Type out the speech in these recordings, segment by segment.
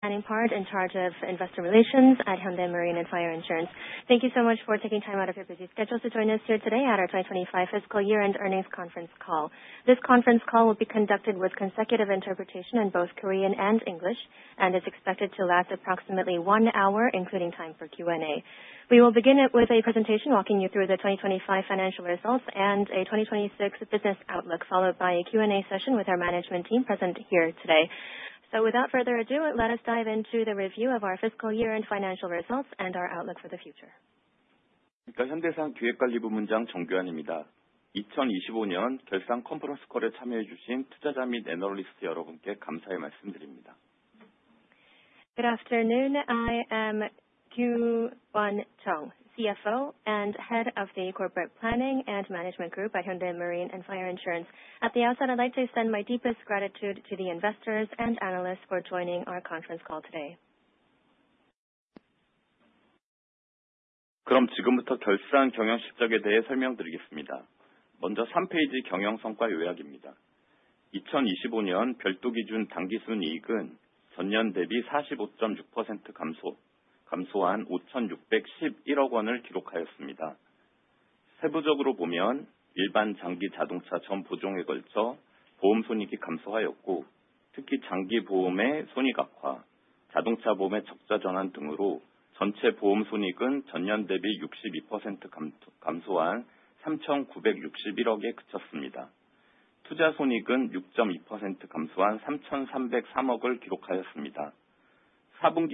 Planning part in charge of Investor Relations at Hyundai Marine & Fire Insurance. Thank you so much for taking time out of your busy schedule to join us here today at our 2025 fiscal year-end earnings conference call. This conference call will be conducted with consecutive interpretation in both Korean and English, and is expected to last approximately one hour, including time for Q&A. We will begin it with a presentation walking you through the 2025 financial results and a 2026 business outlook, followed by a Q&A session with our management team present here today. Without further ado, let us dive into the review of our fiscal year-end financial results and our outlook for the future. Good afternoon. I am [Kyu Won Chung], CFO and Head of the Corporate Planning and Management Group at Hyundai Marine & Fire Insurance. At the outset, I'd like to extend my deepest gratitude to the investors and analysts for joining our conference call today. I will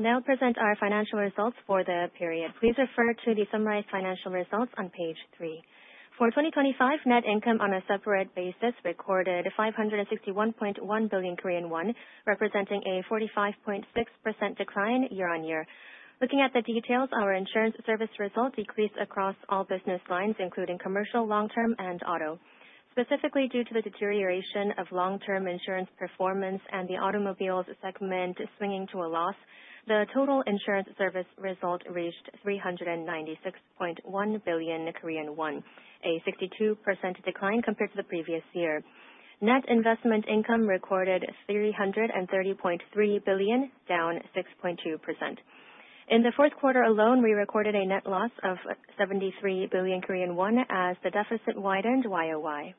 now present our financial results for the period. Please refer to the summarized financial results on page three. For 2025, net income on a separate basis recorded 561.1 billion Korean won, representing a 45.6% decline year-on-year. Looking at the details, our insurance service results decreased across all business lines, including commercial, long-term, and auto. Specifically, due to the deterioration of long-term insurance performance and the automobiles segment swinging to a loss, the total insurance service result reached 396.1 billion Korean won, a 62% decline compared to the previous year. Net investment income recorded 330.3 billion, down 6.2%. In the fourth quarter alone, we recorded a net loss of 73 billion Korean won as the deficit widened YoY.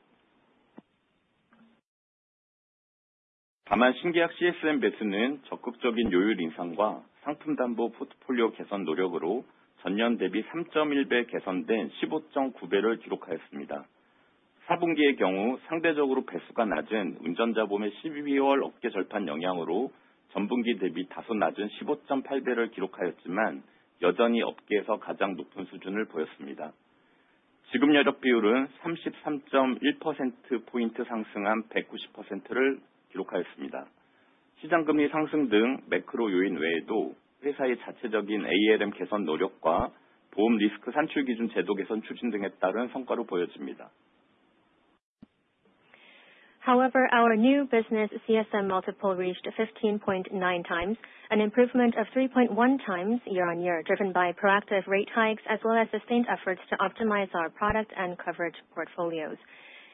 However, our new business CSM Multiple reached 15.9x, an improvement of 3.1x year-on-year, driven by proactive rate hikes as well as sustained efforts to optimize our product and coverage portfolios.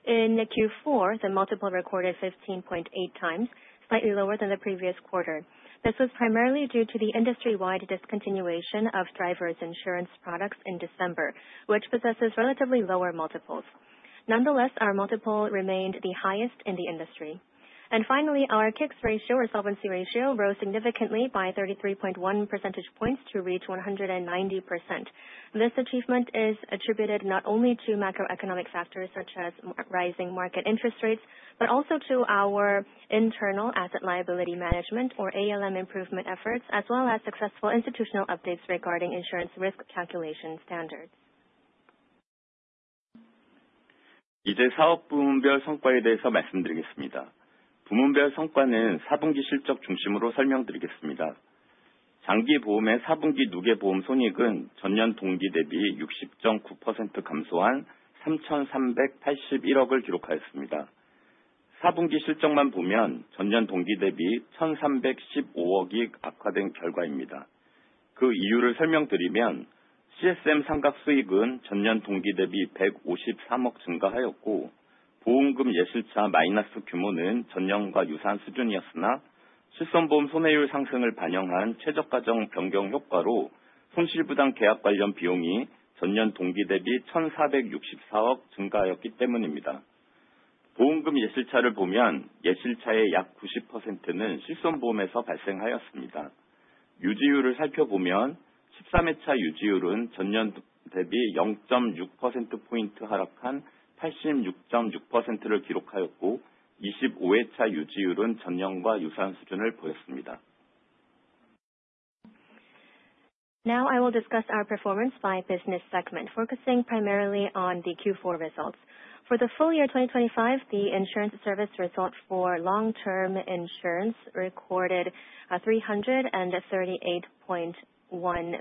In Q4, the multiple recorded 15.8x, slightly lower than the previous quarter. This was primarily due to the industry-wide discontinuation of Driver's Insurance products in December, which possesses relatively lower multiples. Nonetheless, our multiple remained the highest in the industry. Finally, our K-ICS ratio or solvency ratio rose significantly by 33.1 percentage points to reach 190%. This achievement is attributed not only to macroeconomic factors such as rising market interest rates, but also to our internal asset liability management or ALM improvement efforts, as well as successful institutional updates regarding insurance risk calculation standards. Now I will discuss our performance by business segment, focusing primarily on the Q4 results. For the full year 2025, the insurance service results for long-term insurance recorded, 338.1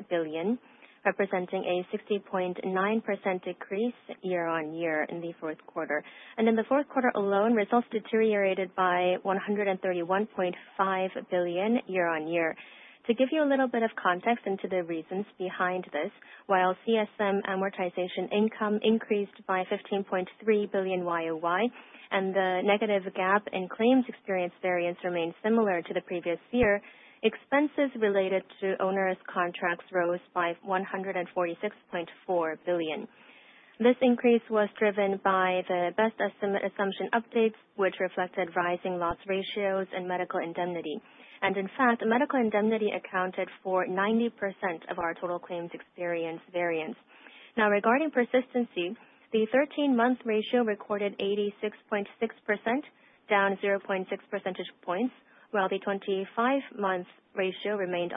billion, representing a 60.9% decrease year-on-year in the fourth quarter. In the fourth quarter alone, results deteriorated by 131.5 billion year-on-year. To give you a little bit of context into the reasons behind this, while CSM amortization income increased by 15.3 billion YoY, and the negative gap in claims experience variance remained similar to the previous year, expenses related to owner's contracts rose by 146.4 billion. This increase was driven by the best estimate assumption updates, which reflected rising loss ratios and Medical Indemnity. In fact, Medical Indemnity accounted for 90% of our total claims experience variance. Regarding persistency, the 13-month ratio recorded 86.6%, down 0.6 percentage points, while the 25-month ratio remained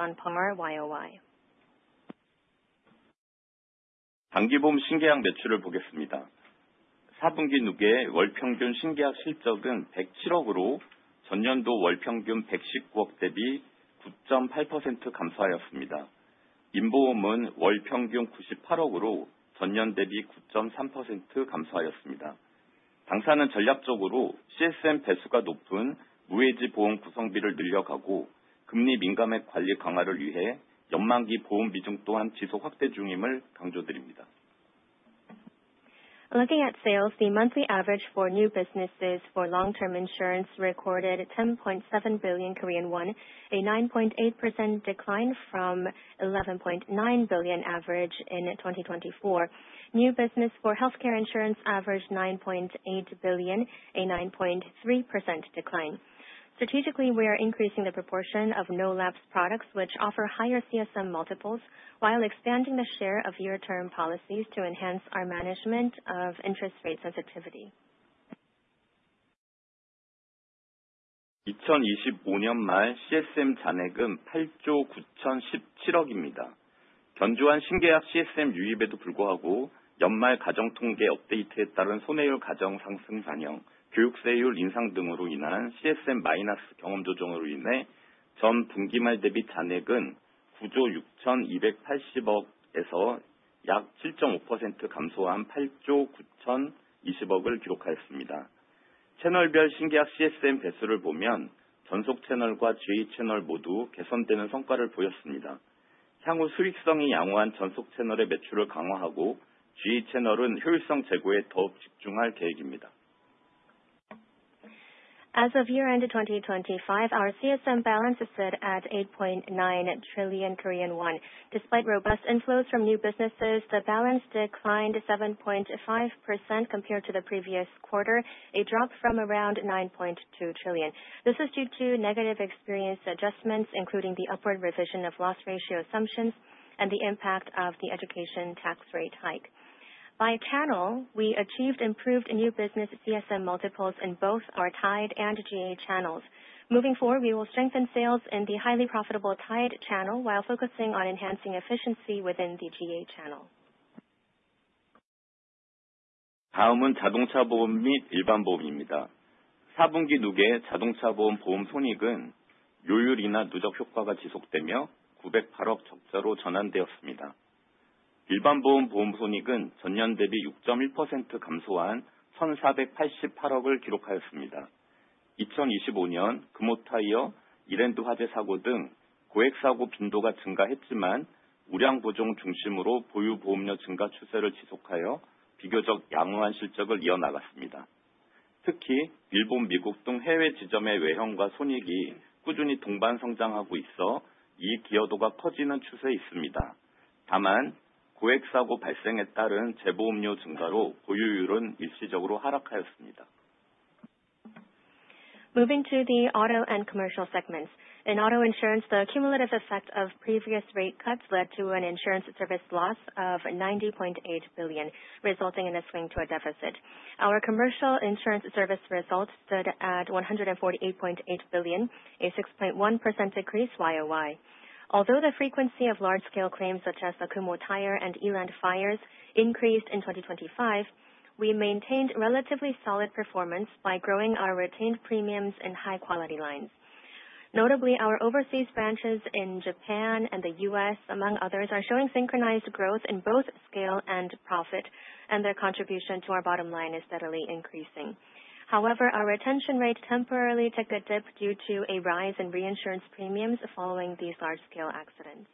on par YoY. Looking at sales, the monthly average for new businesses for long-term insurance recorded 10.7 billion Korean won, a 9.8% decline from 11.9 billion average in 2024. New business for healthcare insurance averaged 9.8 billion, a 9.3% decline. Strategically, we are increasing the proportion of no labs products, which offer higher CSM multiples while expanding the share of year term policies to enhance our management of interest rate sensitivity. As of year end of 2025, our CSM balance stood at 8.9 trillion Korean won. Despite robust inflows from new businesses, the balance declined to 7.5% compared to the previous quarter, a drop from around 9.2 trillion. This is due to negative experience adjustments, including the upward revision of loss ratio assumptions and the impact of the education tax rate hike. By channel, we achieved improved new business CSM multiples in both our tied and GA channels. Moving forward, we will strengthen sales in the highly profitable tied channel while focusing on enhancing efficiency within the GA channel. Moving to the auto and commercial segments. In auto insurance, the cumulative effect of previous rate cuts led to an insurance service loss of 90.8 billion, resulting in a swing to a deficit. Our commercial insurance service results stood at 148.8 billion, a 6.1% decrease YoY. Although the frequency of large scale claims such as the Kumho Tire and Icheon fires increased in 2025, we maintained relatively solid performance by growing our retained premiums in high quality lines. Notably, our overseas branches in Japan and the U.S., among others, are showing synchronized growth in both scale and profit, and their contribution to our bottom line is steadily increasing. However, our retention rate temporarily took a dip due to a rise in reinsurance premiums following these large scale accidents.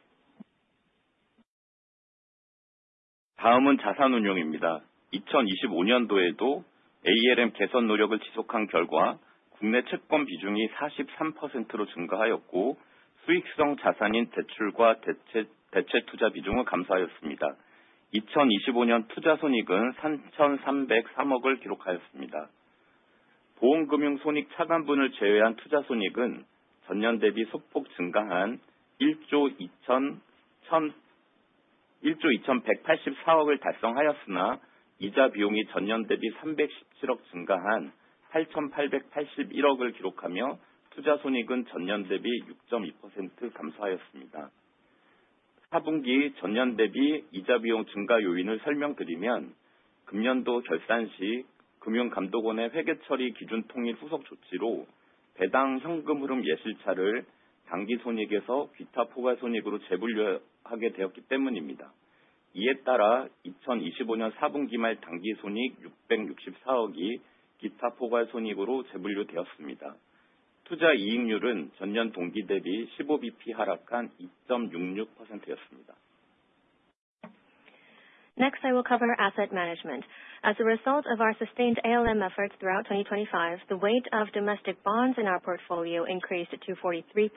Next, I will cover asset management. As a result of our sustained ALM efforts throughout 2025, the weight of domestic bonds in our portfolio increased to 43%,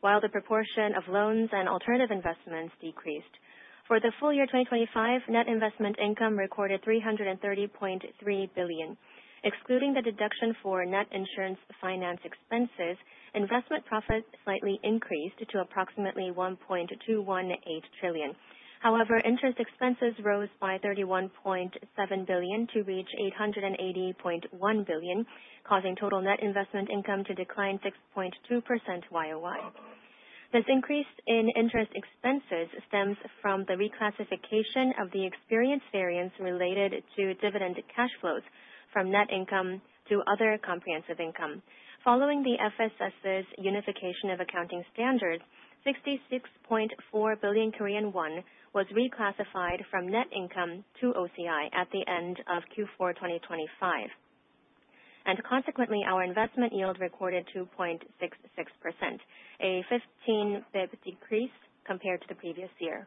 while the proportion of loans and alternative investments decreased. For the full year 2025, net investment income recorded 330.3 billion. Excluding the deduction for net insurance finance expenses, investment profits slightly increased to approximately 1.218 trillion. However, interest expenses rose by 31.7 billion to reach 880.1 billion, causing total net investment income to decline 6.2% YoY. This increase in interest expenses stems from the reclassification of the experience variance related to dividend cash flows from net income to other comprehensive income. Following the FSS's unification of accounting standards, 66.4 billion Korean won was reclassified from net income to OCI at the end of Q4 2025. Consequently, our investment yield recorded 2.66%, a 15 bit decrease compared to the previous year.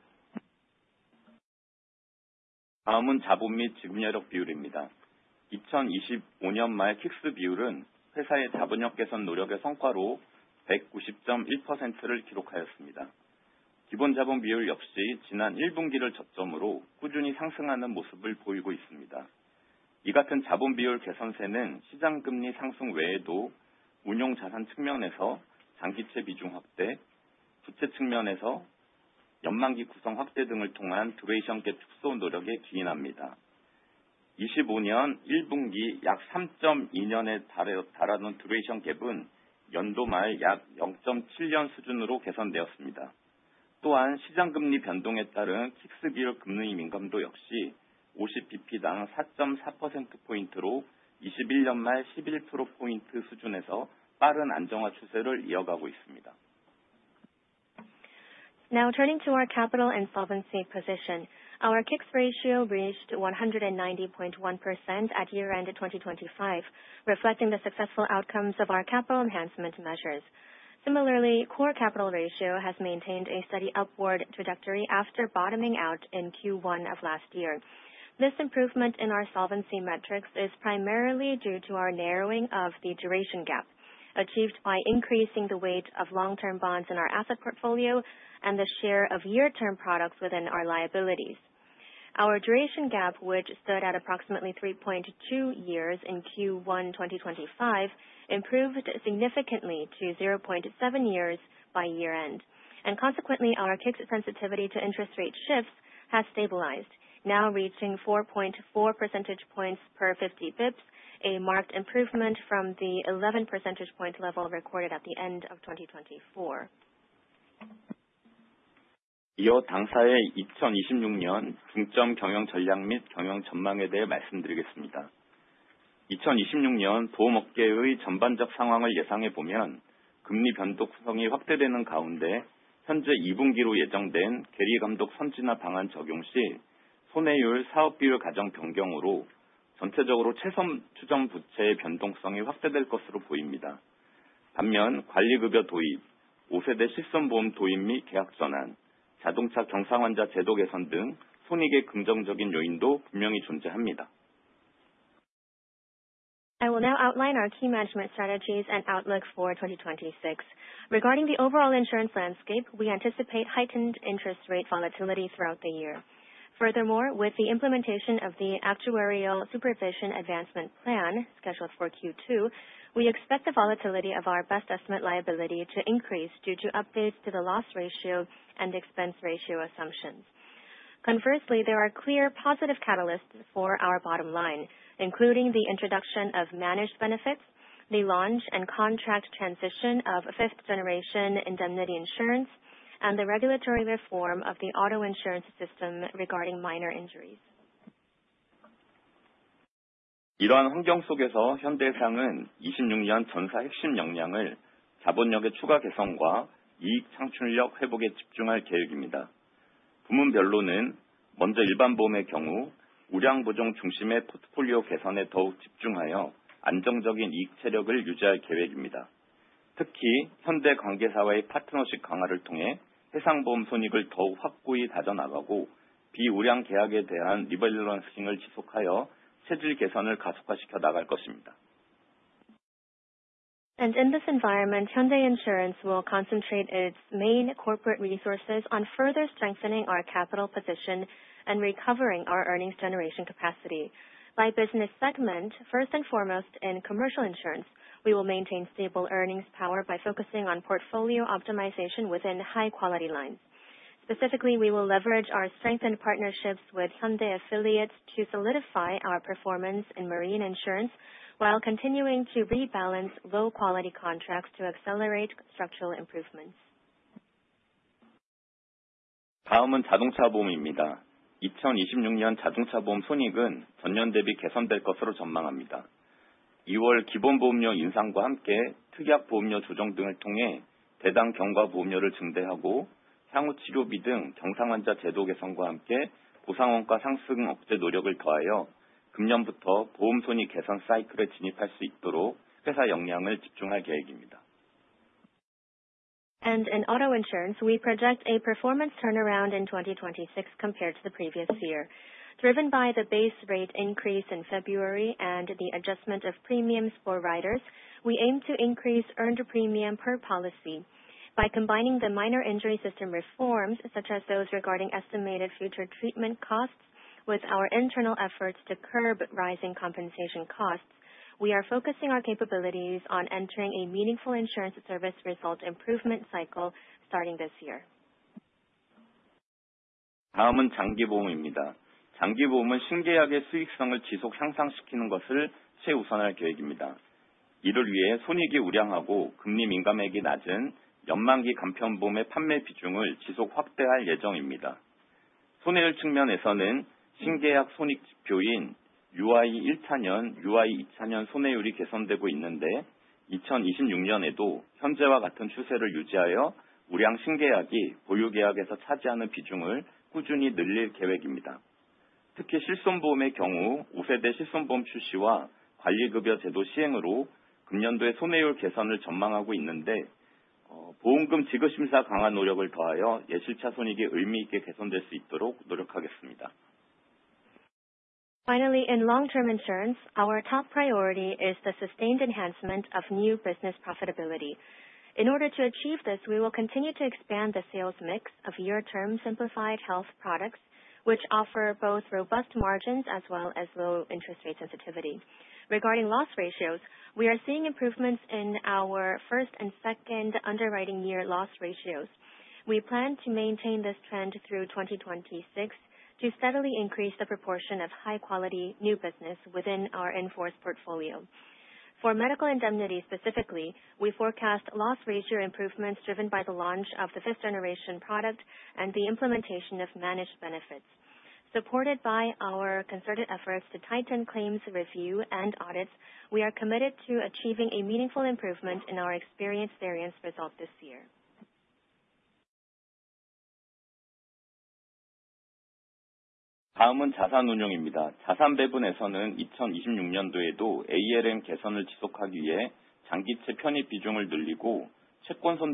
Now turning to our capital and solvency position. Our KICS ratio reached 190.1% at year-end in 2025, reflecting the successful outcomes of our capital enhancement measures. Similarly, core capital ratio has maintained a steady upward trajectory after bottoming out in Q1 of last year. This improvement in our solvency metrics is primarily due to our narrowing of the duration gap, achieved by increasing the weight of long-term bonds in our asset portfolio and the share of year-term products within our liabilities. Our duration gap, which stood at approximately 3.2 years in Q1 2025, improved significantly to 0.7 years by year-end. Consequently, our K-ICS sensitivity to interest rate shifts has stabilized, now reaching 4.4 percentage points per 50 basis points, a marked improvement from the 11 percentage point level recorded at the end of 2024. I will now outline our key management strategies and outlook for 2026. Regarding the overall insurance landscape, we anticipate heightened interest rate volatility throughout the year. With the implementation of the Insurance Sector Actuarial Supervision Advancement Plan scheduled for Q2, we expect the volatility of our best estimate liability to increase due to updates to the loss ratio and expense ratio assumptions. There are clear positive catalysts for our bottom line, including the introduction of managed benefits, the launch and contract transition of fifth-generation indemnity insurance, and the regulatory reform of the auto insurance system regarding minor injuries. In this environment, Hyundai Insurance will concentrate its main corporate resources on further strengthening our capital position and recovering our earnings generation capacity. By business segment, first and foremost, in commercial insurance, we will maintain stable earnings power by focusing on portfolio optimization within high-quality lines. Specifically, we will leverage our strengthened partnerships with Hyundai affiliates to solidify our performance in marine insurance, while continuing to rebalance low-quality contracts to accelerate structural improvements. In auto insurance, we project a performance turnaround in 2026 compared to the previous year. Driven by the base rate increase in February and the adjustment of premiums for riders, we aim to increase earned premium per policy by combining the minor injury system reforms, such as those regarding estimated future treatment costs with our internal efforts to curb rising compensation costs. We are focusing our capabilities on entering a meaningful insurance service result improvement cycle starting this year. In long-term insurance, our top priority is the sustained enhancement of new business profitability. In order to achieve this, we will continue to expand the sales mix of year-term Simplified Health products, which offer both robust margins as well as low interest rate sensitivity. Regarding loss ratios, we are seeing improvements in our first and second underwriting year loss ratios. We plan to maintain this trend through 2026 to steadily increase the proportion of high quality new business within our in-force portfolio. For Medical Indemnity specifically, we forecast loss ratio improvements driven by the launch of the fifth-generation product and the implementation of managed benefits. Supported by our concerted efforts to tighten claims review and audits, we are committed to achieving a meaningful improvement in our experience variance result this year. Next is asset management. In 2026, we will continue to refine our ALM by increasing the proportion of long-term bonds and expanding bond forward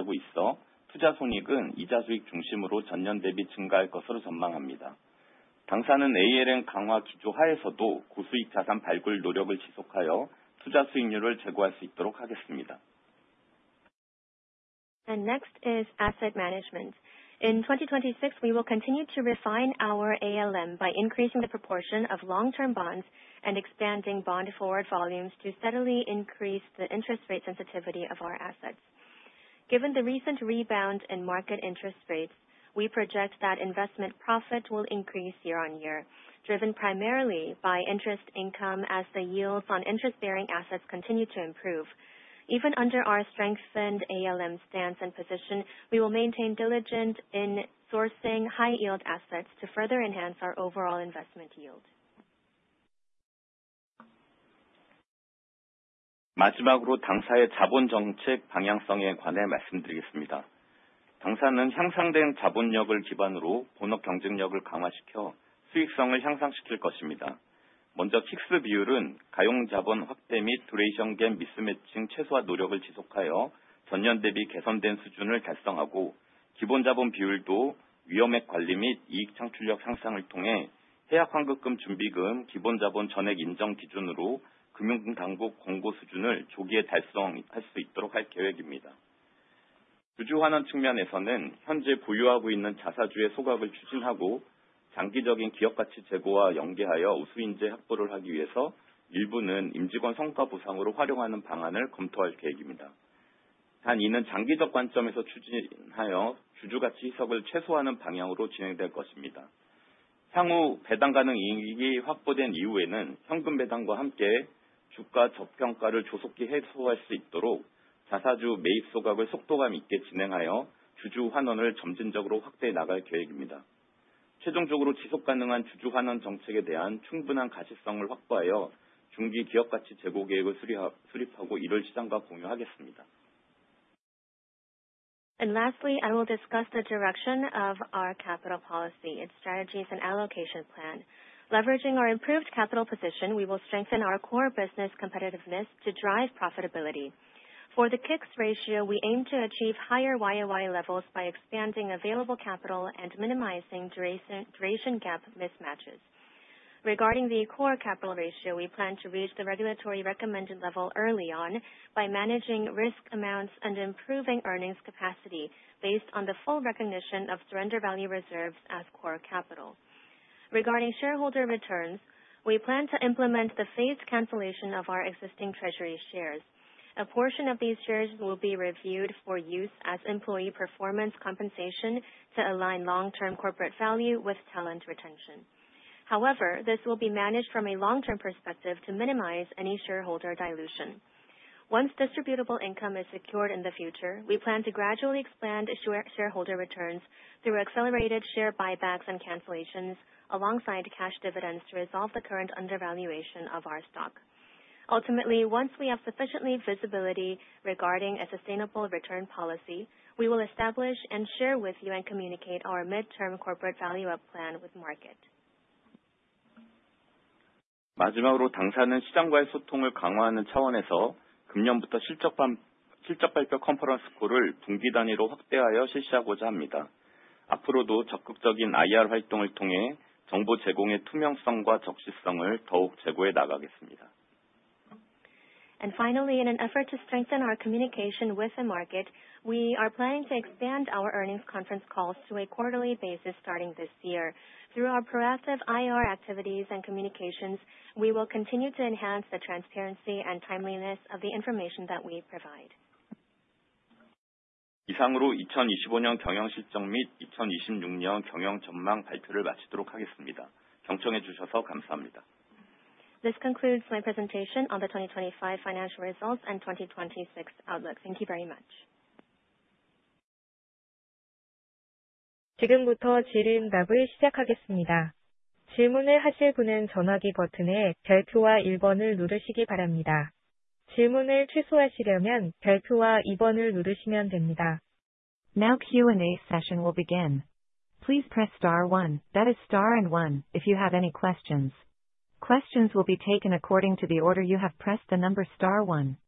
volumes to steadily increase the interest rate sensitivity of our assets. Given the recent rebound in market interest rates, we project that investment profit will increase year-on-year, driven primarily by interest income as the yields on interest-bearing assets continue to improve. Even under our strengthened ALM stance and position, we will maintain diligent in sourcing high-yield assets to further enhance our overall investment yield. Lastly, I will discuss the direction of our capital policy, its strategies and allocation plan. Leveraging our improved capital position, we will strengthen our core business competitiveness to drive profitability. For the K-ICS ratio, we aim to achieve higher YoY levels by expanding available capital and minimizing duration gap mismatches. Regarding the core capital ratio, we plan to reach the regulatory recommended level early on by managing risk amounts and improving earnings capacity based on the full recognition of surrender value reserves as core capital. Regarding shareholder returns, we plan to implement the phased cancellation of our existing treasury shares. A portion of these shares will be reviewed for use as employee performance compensation to align long-term corporate value with talent retention. However, this will be managed from a long-term perspective to minimize any shareholder dilution. Once distributable income is secured in the future, we plan to gradually expand shareholder returns through accelerated share buybacks and cancellations alongside cash dividends to resolve the current undervaluation of our stock. Ultimately, once we have sufficiently visibility regarding a sustainable return policy, we will establish and share with you and communicate our midterm corporate value-up plan with market. Finally, in an effort to strengthen our communication with the market, we are planning to expand our earnings conference calls to a quarterly basis starting this year. Through our proactive IR activities and communications, we will continue to enhance the transparency and timeliness of the information that we provide. This concludes my presentation on the 2025 financial results and 2026 outlook. Thank you very much. Now Q&A session will begin. Please press star one. That is star and one, if you have any questions. Questions will be taken according to the order you have pressed the number star one.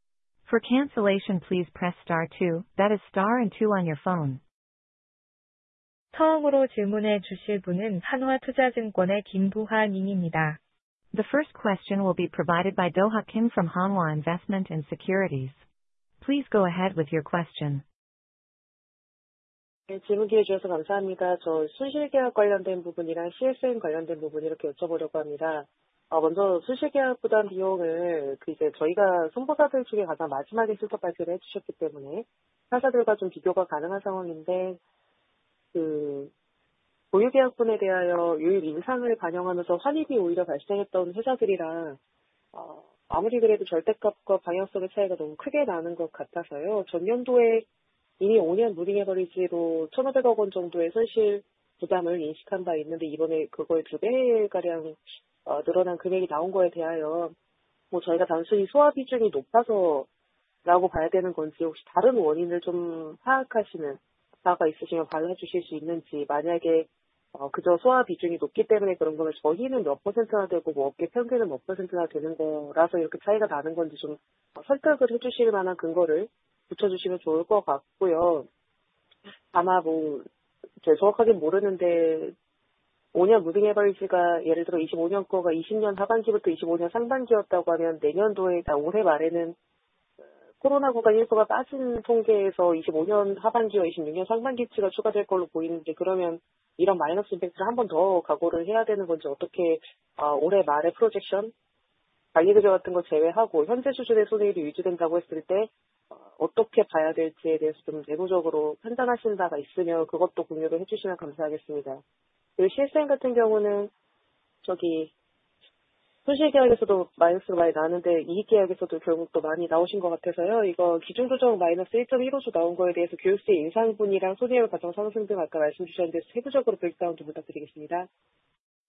For cancellation, please press star two. That is star and two on your phone. The first question will be provided by Do-Ha Kim from Hanwha Investment & Securities. Please go ahead with your question.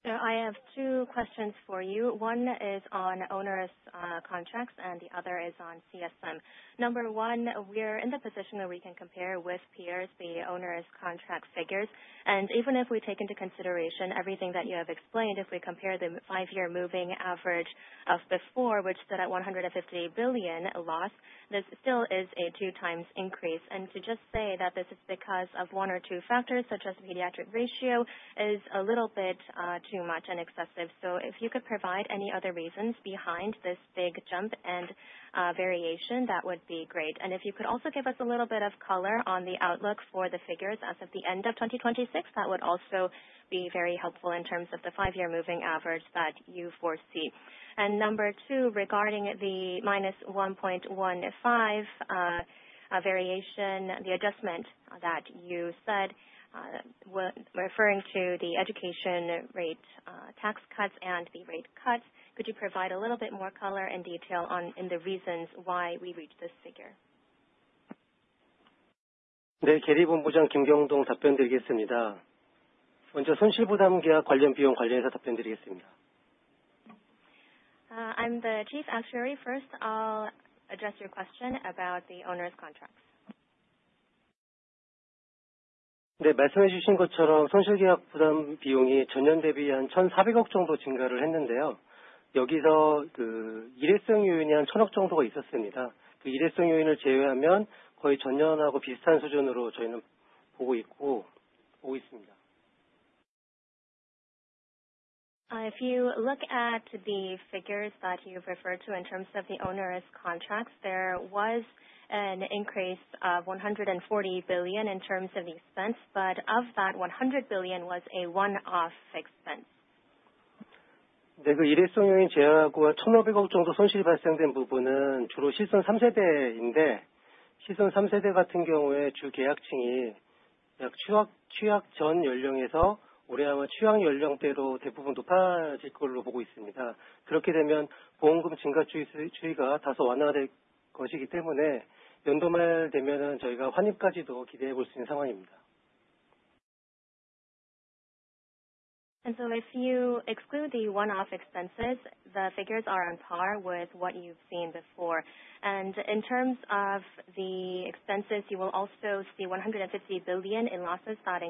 I have two questions for you. One is on onerous contracts and the other is on CSM. Number one, we are in the position where we can compare with peers, the onerous contract figures. Even if we take into consideration everything that you have explained, if we compare the five-year moving average of before, which stood at 158 billion loss, this still is a 2x increase. To just say that this is because of 1 or 2 factors such as pediatric ratio is a little bit too much and excessive. If you could provide any other reasons behind this big jump and variation, that would be great. If you could also give us a little bit of color on the outlook for the figures as of the end of 2026, that would also be very helpful in terms of the five-year moving average that you foresee. Number two, regarding the -1.15 variation, the adjustment that you said, referring to the education rate tax cuts and the rate cuts. Could you provide a little bit more color and detail on the reasons why we reached this figure? I'm the Chief Actuary. First, I'll address your question about the owner's contracts. If you look at the figures that you referred to in terms of the onerous contracts, there was an increase of 140 billion in terms of the expense. Of that, KRW 100 billion was a one-off expense. If you exclude the one-off expenses, the figures are on par with what you've seen before. In terms of the expenses, you will also see 150 billion in losses that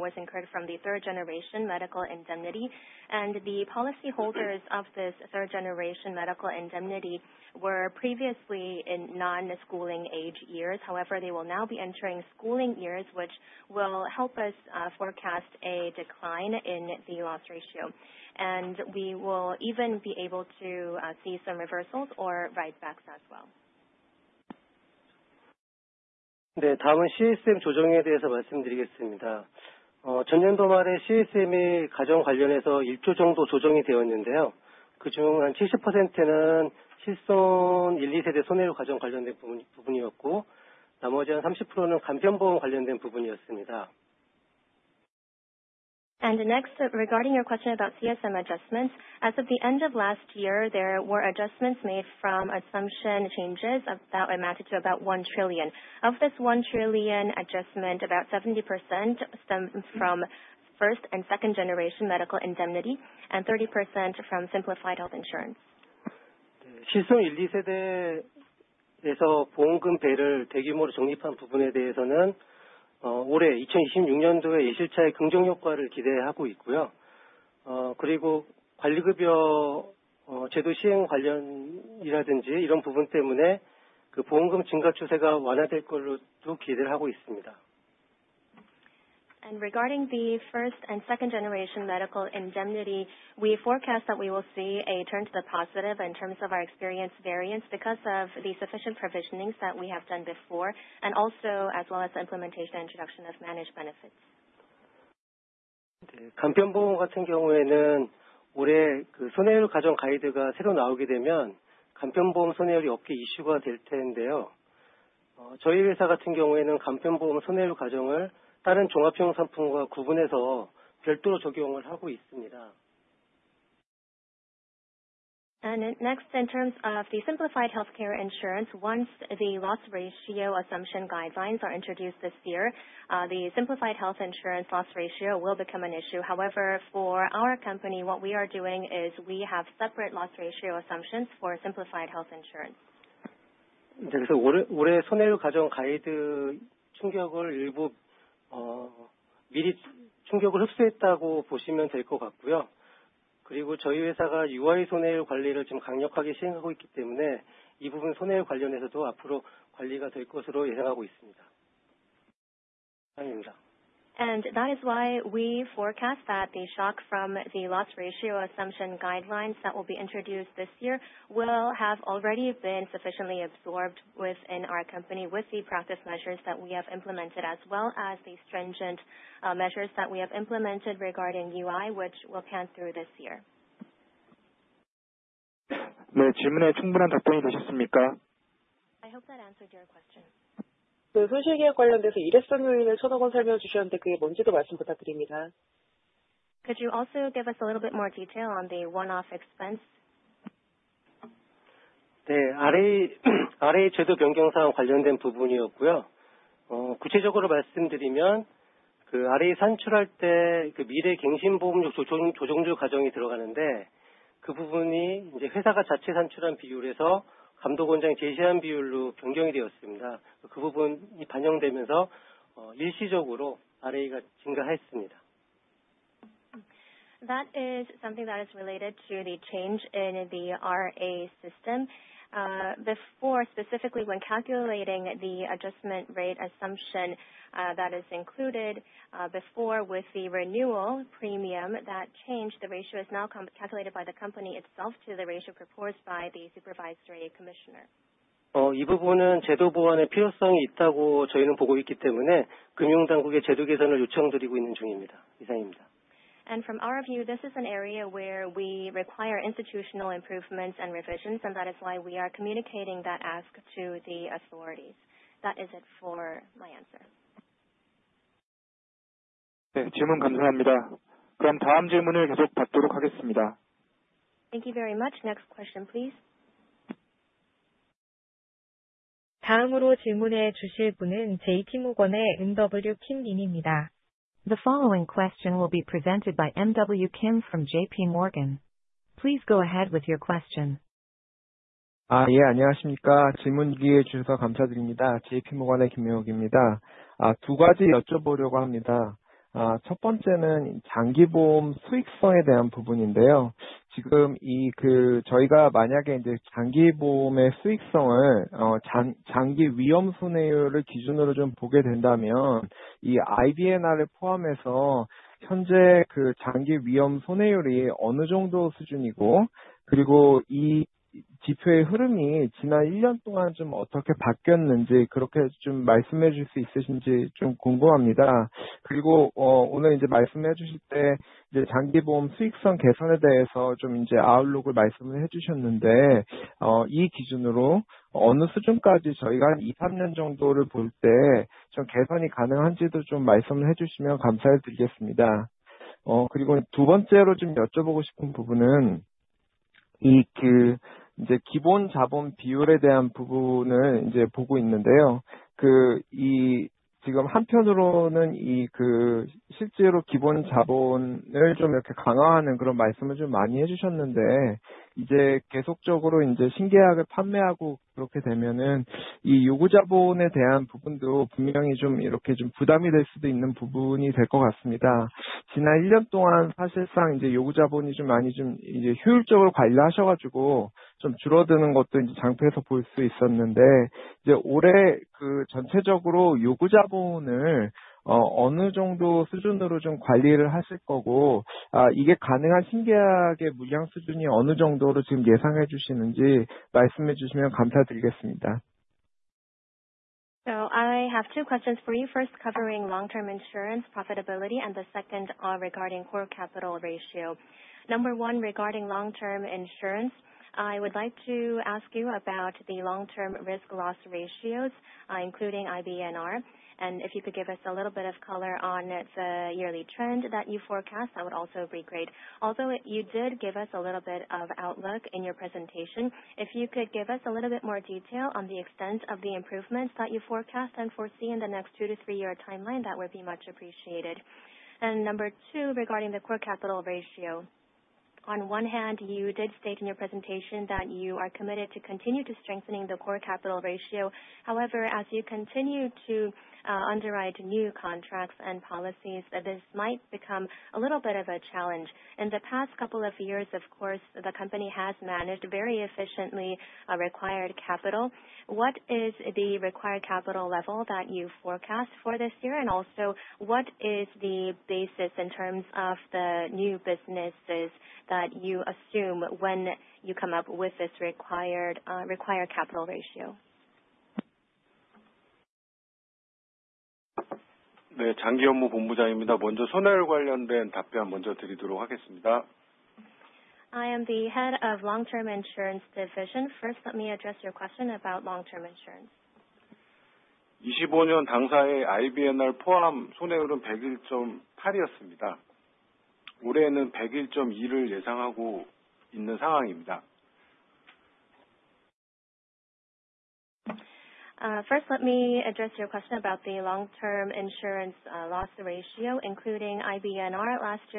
was incurred from the third generation Medical Indemnity. The policyholders of this third generation Medical Indemnity were previously in non-schooling age years. However, they will now be entering schooling years, which will help us forecast a decline in the loss ratio. We will even be able to see some reversals or write backs as well. Next, regarding your question about CSM adjustments, as of the end of last year, there were adjustments made from assumption changes of about, amounted to about 1 trillion. Of this 1 trillion adjustment, about 70% stems from first and second generation Medical Indemnity and 30% from Simplified Health Insurance. Regarding the first and second generation Medical Indemnity, we forecast that we will see a turn to the positive in terms of our experience variance because of the sufficient provisionings that we have done before and also as well as the implementation and introduction of managed benefits. Next, in terms of Simplified Health Insurance, once the loss ratio assumption guidelines are introduced this year, Simplified Health Insurance loss ratio will become an issue. However, for our company, what we are doing is we have separate loss ratio assumptions for Simplified Health Insurance. That is why we forecast that the shock from the loss ratio assumption guidelines that will be introduced this year will have already been sufficiently absorbed within our company with the practice measures that we have implemented as well as the stringent measures that we have implemented regarding UI, which will pan through this year. I hope that answered your question. Could you also give us a little bit more detail on the one-off expense? That is something that is related to the change in the RA system. Before, specifically when calculating the adjustment rate assumption, that is included before with the renewal premium that changed, the ratio is now calculated by the company itself to the ratio proposed by the supervisory commissioner. From our view, this is an area where we require institutional improvements and revisions. That is why we are communicating that ask to the authorities. That is it for my answer. Thank you very much. Next question, please. The following question will be presented by MW Kim from JPMorgan. Please go ahead with your question. 예, 안녕하십니까? 질문 기회 주셔서 감사드립니다. J.P. Morgan의 MW Kim입니다. 두 가지 여쭤보려고 합니다. 첫 번째는 장기 보험 수익성에 대한 부분인데요. 지금 이 저희가 만약에 장기 보험의 수익성을 장기 위험 손해율을 기준으로 좀 보게 된다면, 이 IBNR을 포함해서 현재 장기 위험 손해율이 어느 정도 수준이고, 이 지표의 흐름이 지난 1 year 동안 좀 어떻게 바뀌었는지 그렇게 좀 말씀해 주실 수 있으신지 좀 궁금합니다. 오늘 말씀해 주실 때 장기 보험 수익성 개선에 대해서 좀 아웃룩을 말씀을 해주셨는데, 이 기준으로 어느 수준까지 저희가 한 2-3 years 정도를 볼때좀 개선이 가능한지도 좀 말씀을 해주시면 감사드리겠습니다. 두 번째로 좀 여쭤보고 싶은 부분은 이 core capital ratio에 대한 부분을 보고 있는데요. 지금 한편으로는 실제로 기본 자본을 좀 이렇게 강화하는 그런 말씀을 좀 많이 해주셨는데, 계속적으로 이제 신계약을 판매하고 그렇게 되면은 이 요구 자본에 대한 부분도 분명히 좀 이렇게 부담이 될 수도 있는 부분이 될것 같습니다. 지난 1 year 동안 사실상 이제 요구 자본이 좀 많이 이제 효율적으로 관리하셔가지고 좀 줄어드는 것도 이제 장표에서 볼수 있었는데 올해 그 전체적으로 요구 자본을 어느 정도 수준으로 좀 관리를 하실 거고, 이게 가능한 신계약의 물량 수준이 어느 정도로 지금 예상해 주시는지 말씀해 주시면 감사드리겠습니다. I have two questions for you. First, covering long-term insurance profitability and the second, regarding core capital ratio. Number one, regarding long-term insurance, I would like to ask you about the long-term risk loss ratios, including IBNR. If you could give us a little bit of color on its yearly trend that you forecast, that would also be great. Although you did give us a little bit of outlook in your presentation, if you could give us a little bit more detail on the extent of the improvements that you forecast and foresee in the next 2-3 year timeline, that would be much appreciated. Number two, regarding the core capital ratio. On one hand, you did state in your presentation that you are committed to continue to strengthening the core capital ratio. However, as you continue to underwrite new contracts and policies, this might become a little bit of a challenge. In the past couple of years, of course, the company has managed very efficiently, required capital. What is the required capital level that you forecast for this year? What is the basis in terms of the new businesses that you assume when you come up with this required capital ratio? 네, 장기 업무 본부장입니다. 먼저 손해율 관련된 답변 먼저 드리도록 하겠습니다. I am the head of Long-Term Insurance Division. First, let me address your question about long term insurance. 이십오 년 당사의 IBNR 포함 손해율은 백일점 팔이었습니다. 올해는 백일점 일을 예상하고 있는 상황입니다. First, let me address your question about the long term insurance loss ratio, including IBNR. Last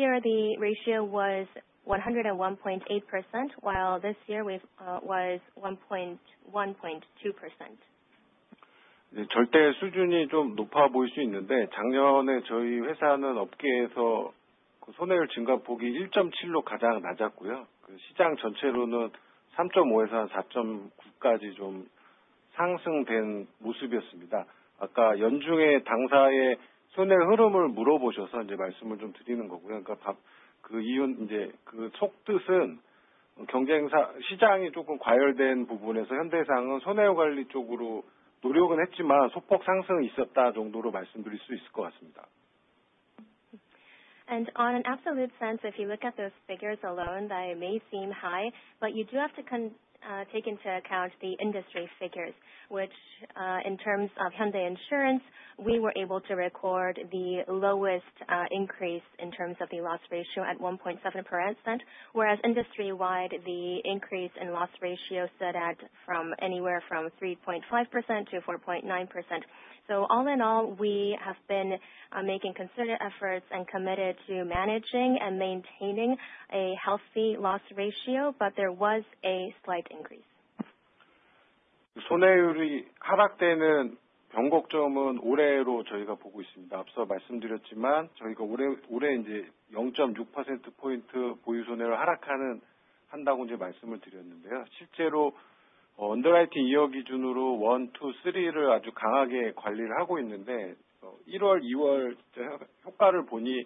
year the ratio was 101.8%, while this year we've was 1.2%. 절대 수준이 좀 높아 보일 수 있는데 작년에 저희 회사는 업계에서 손해율 증가폭이 1.7로 가장 낮았고요. 시장 전체로는 3.5에서 4.9까지 좀 상승된 모습이었습니다. 아까 연중에 당사의 손해 흐름을 물어보셔서 이제 말씀을 좀 드리는 거고요. 답, 그 이윤 이제 그 속뜻은 경쟁사, 시장이 조금 과열된 부분에서 Hyundai Insurance는 손해율 관리 쪽으로 노력은 했지만 소폭 상승은 있었다 정도로 말씀드릴 수 있을 것 같습니다. On an absolute sense, if you look at those figures alone, they may seem high, but you do have to take into account the industry figures which, in terms of Hyundai Insurance, we were able to record the lowest increase in terms of the loss ratio at 1.7%, whereas industry wide the increase in loss ratio stood at from anywhere from 3.5% to 4.9%. All in all, we have been making consider efforts and committed to managing and maintaining a healthy loss ratio. There was a slight increase. 손해율이 하락되는 변곡점은 올해로 저희가 보고 있습니다. 앞서 말씀드렸지만 저희가 올해 이제 0.6 percentage points 보유 손해율 하락한다고 이제 말씀을 드렸는데요. 실제로 언더라이팅 이어 기준으로 1, 2, 3를 아주 강하게 관리를 하고 있는데, 1월, 2월 저 효과를 보니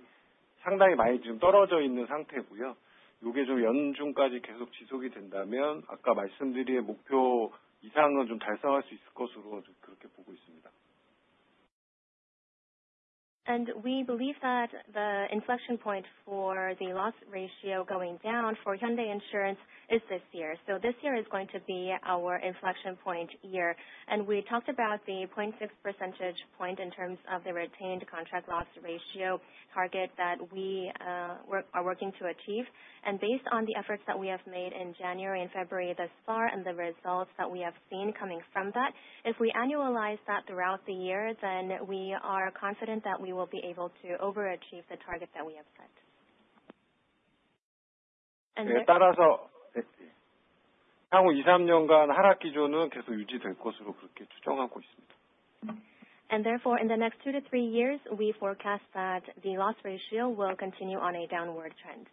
상당히 많이 지금 떨어져 있는 상태고요. 이게 좀 연중까지 계속 지속이 된다면 아까 말씀드린 목표 이상은 좀 달성할 수 있을 것으로 저 그렇게 보고 있습니다. We believe that the inflection point for the loss ratio going down for Hyundai Insurance is this year. This year is going to be our inflection point year. We talked about the 0.6 percentage point in terms of the retained contract loss ratio target that we are working to achieve. Based on the efforts that we have made in January and February thus far and the results that we have seen coming from that, if we annualize that throughout the year, then we are confident that we will be able to overachieve the target that we have set. 따라서 향후 2-3년간 하락 기조는 계속 유지될 것으로 그렇게 추정하고 있습니다. Therefore, in the next two to three years, we forecast that the loss ratio will continue on a downward trend.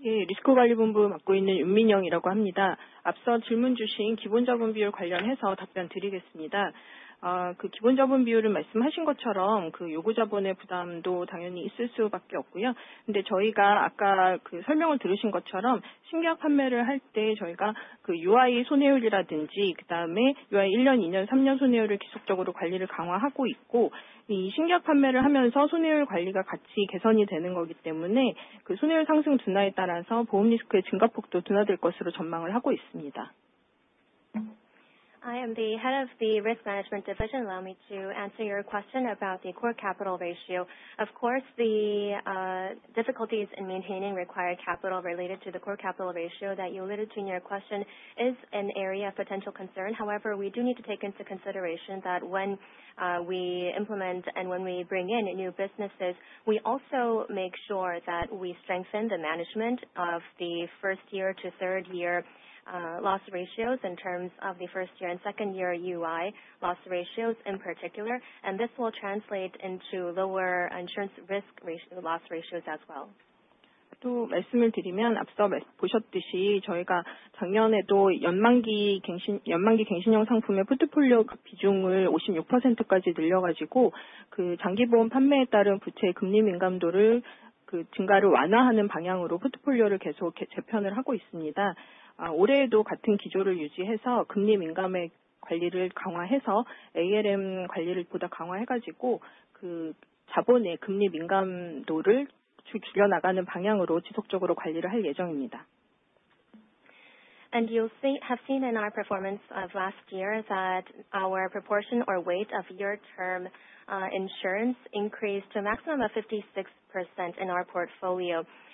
리스크관리본부 맡고 있는 윤민영이라고 합니다. 앞서 질문 주신 기본자본비율 관련해서 답변드리겠습니다. 그 기본자본비율은 말씀하신 것처럼 그 요구 자본의 부담도 당연히 있을 수밖에 없고요. 저희가 아까 그 설명을 들으신 것처럼 신계약 판매를 할때 저희가 그 UI 손해율이라든지 그다음에 UI 1년, 2년, 3년 손해율을 지속적으로 관리를 강화하고 있고, 이 신계약 판매를 하면서 손해율 관리가 같이 개선이 되는 거기 때문에 그 손해율 상승 둔화에 따라서 보험 리스크의 증가폭도 둔화될 것으로 전망을 하고 있습니다. I am the Head of the Risk Management Division. Allow me to answer your question about the core capital ratio. Of course, the difficulties in maintaining required capital related to the core capital ratio that you allude to in your question is an area of potential concern. However, we do need to take into consideration that when we implement and when we bring in new businesses, we also make sure that we strengthen the management of the first year to third year loss ratios in terms of the first year and second year UI loss ratios in particular. This will translate into lower insurance risk ratio, loss ratios as well. 또 말씀을 드리면 앞서 보셨듯이 저희가 작년에도 연만기 갱신, 연만기 갱신형 상품의 포트폴리오 그 비중을 56%까지 늘려가지고 그 장기보험 판매에 따른 부채 금리 민감도를, 그 증가를 완화하는 방향으로 포트폴리오를 계속 재편을 하고 있습니다. 올해에도 같은 기조를 유지해서 금리 민감의 관리를 강화해서 ALM 관리를 보다 강화해가지고 그 자본의 금리 민감도를 줄여나가는 방향으로 지속적으로 관리를 할 예정입니다. You'll see, have seen in our performance of last year that our proportion or weight of year term insurance increased to a maximum of 56% in our portfolio. This is part and parcel of our efforts to make sure that we improve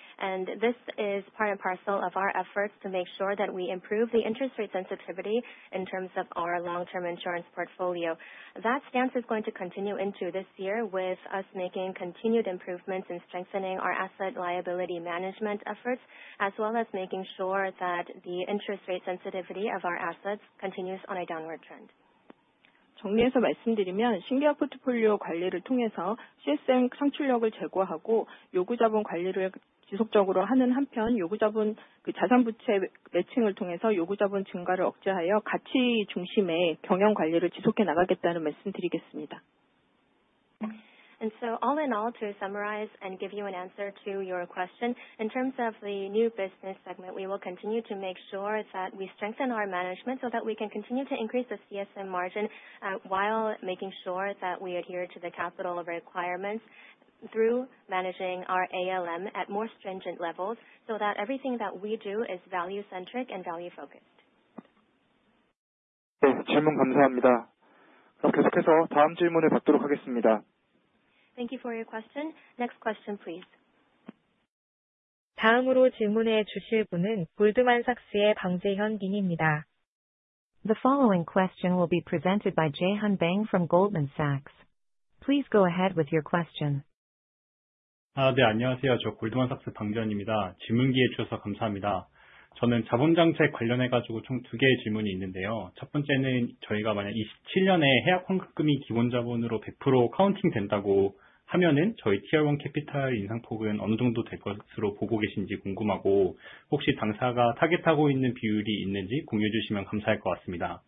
the interest rate sensitivity in terms of our long-term insurance portfolio. That stance is going to continue into this year with us making continued improvements in strengthening our asset liability management efforts, as well as making sure that the interest rate sensitivity of our assets continues on a downward trend. 정리해서 말씀드리면 신계약 포트폴리오 관리를 통해서 CSM 창출력을 제고하고 요구자본 관리를 지속적으로 하는 한편, 요구자본 그 자산부채 매칭을 통해서 요구자본 증가를 억제하여 가치 중심의 경영관리를 지속해 나가겠다는 말씀드리겠습니다. All in all, to summarize and give you an answer to your question, in terms of the new business segment, we will continue to make sure that we strengthen our management so that we can continue to increase the CSM margin, while making sure that we adhere to the capital requirements through managing our ALM at more stringent levels, so that everything that we do is value centric and value focused. 네, 질문 감사합니다. 그럼 계속해서 다음 질문을 받도록 하겠습니다. Thank you for your question. Next question, please. 다음으로 질문해 주실 분은 골드만삭스의 방재현 님입니다. The following question will be presented by Jae-hyun Bang from Goldman Sachs. Please go ahead with your question. 아, 네, 안녕하세요. 저 골드만삭스 방재현입니다. 질문 기회 주셔서 감사합니다. 저는 자본 정책 관련해가지고 총두 개의 질문이 있는데요. 첫 번째는 저희가 만약 이십칠년에 해약환급금이 기본자본으로 백 프로 카운팅 된다고 하면은 저희 Tier 1 Capital 인상폭은 어느 정도 될 것으로 보고 계신지 궁금하고, 혹시 당사가 타깃하고 있는 비율이 있는지 공유해 주시면 감사할 것 같습니다.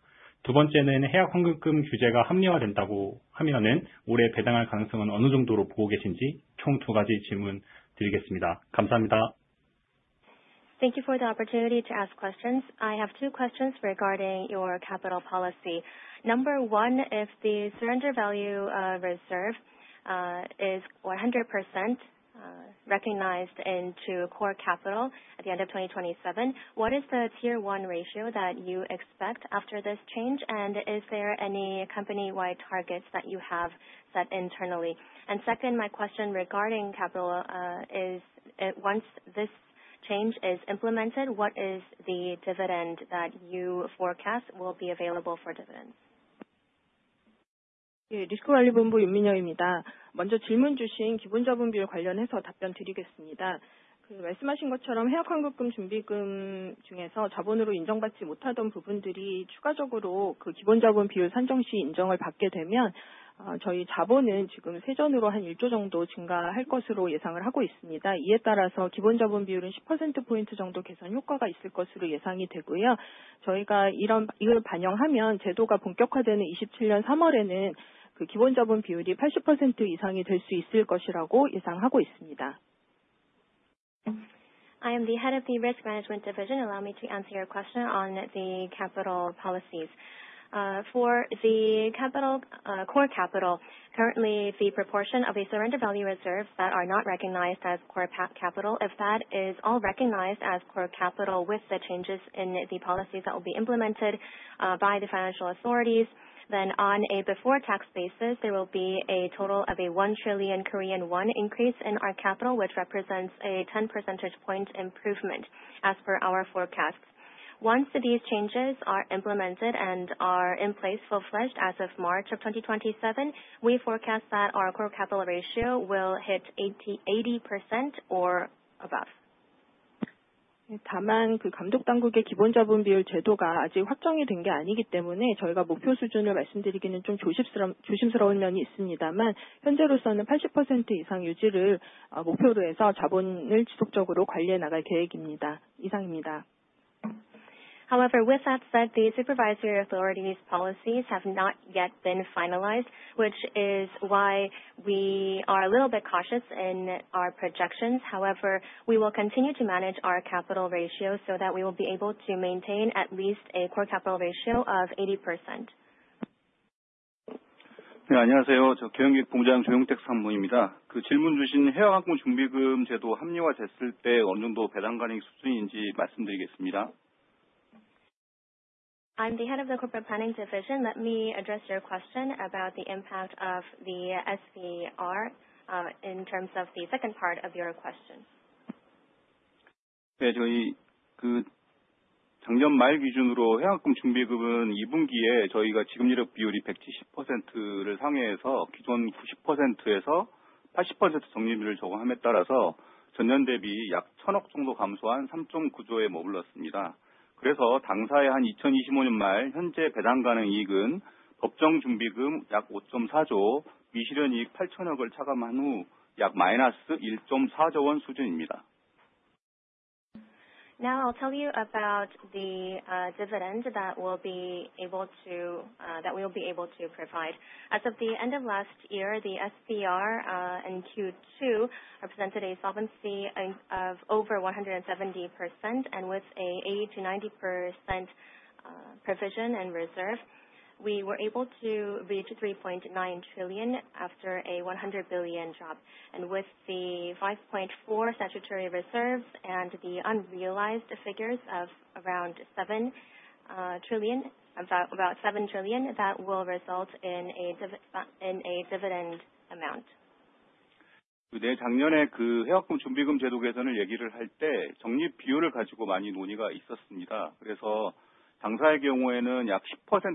두 번째는 해약환급금 규제가 합리화된다고 하면은 올해 배당할 가능성은 어느 정도로 보고 계신지 총두 가지 질문드리겠습니다. 감사합니다. Thank you for the opportunity to ask questions. I have two questions regarding your capital policy. Number 1, if the surrender value reserve is 100% recognized into core capital at the end of 2027, what is the Tier 1 ratio that you expect after this change? Is there any company-wide targets that you have set internally? Second, my question regarding capital is once this change is implemented, what is the dividend that you forecast will be available for dividends? 예, 리스크관리본부 윤민영입니다. 먼저 질문 주신 기본자본비율 관련해서 답변드리겠습니다. 그 말씀하신 것처럼 해약환급금 준비금 중에서 자본으로 인정받지 못하던 부분들이 추가적으로 그 기본자본비율 산정 시 인정을 받게 되면, 어, 저희 자본은 지금 세전으로 한 일조 정도 증가할 것으로 예상을 하고 있습니다. 이에 따라서 기본자본비율은 십 퍼센트 포인트 정도 개선 효과가 있을 것으로 예상이 되고요. 저희가 이런 이걸 반영하면 제도가 본격화되는 이십칠년 삼월에는 그 기본자본비율이 팔십 퍼센트 이상이 될수 있을 것이라고 예상하고 있습니다. I am the head of the Risk Management Division. Allow me to answer your question on the capital policies. For the capital, core capital, currently the proportion of a surrender value reserves that are not recognized as core capital. If that is all recognized as core capital with the changes in the policies that will be implemented by the financial authorities, on a before tax basis, there will be a total of a 1 trillion Korean won increase in our capital, which represents a 10 percentage point improvement as per our forecast. Once these changes are implemented and are in place fulfilled as of March 2027, we forecast that our core capital ratio will hit 80% or above. With that said, the supervisory authorities policies have not yet been finalized, which is why we are a little bit cautious in our projections. However, we will continue to manage our capital ratio so that we will be able to maintain at least a core capital ratio of 80%. I'm the head of the Corporate Planning Division. Let me address your question about the impact of the SVR in terms of the second part of your question. Now, I'll tell you about the dividend that we'll be able to provide. As of the end of last year, the SVR in Q2 represented a solvency of over 170% and with an 80%-90% provision and reserve, we were able to reach 3.9 trillion after a KRW 100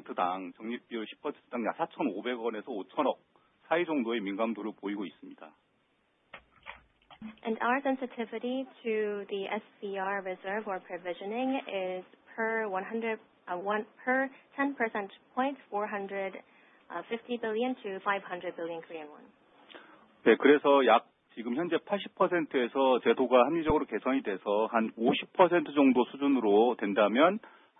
billion drop. With the 5.4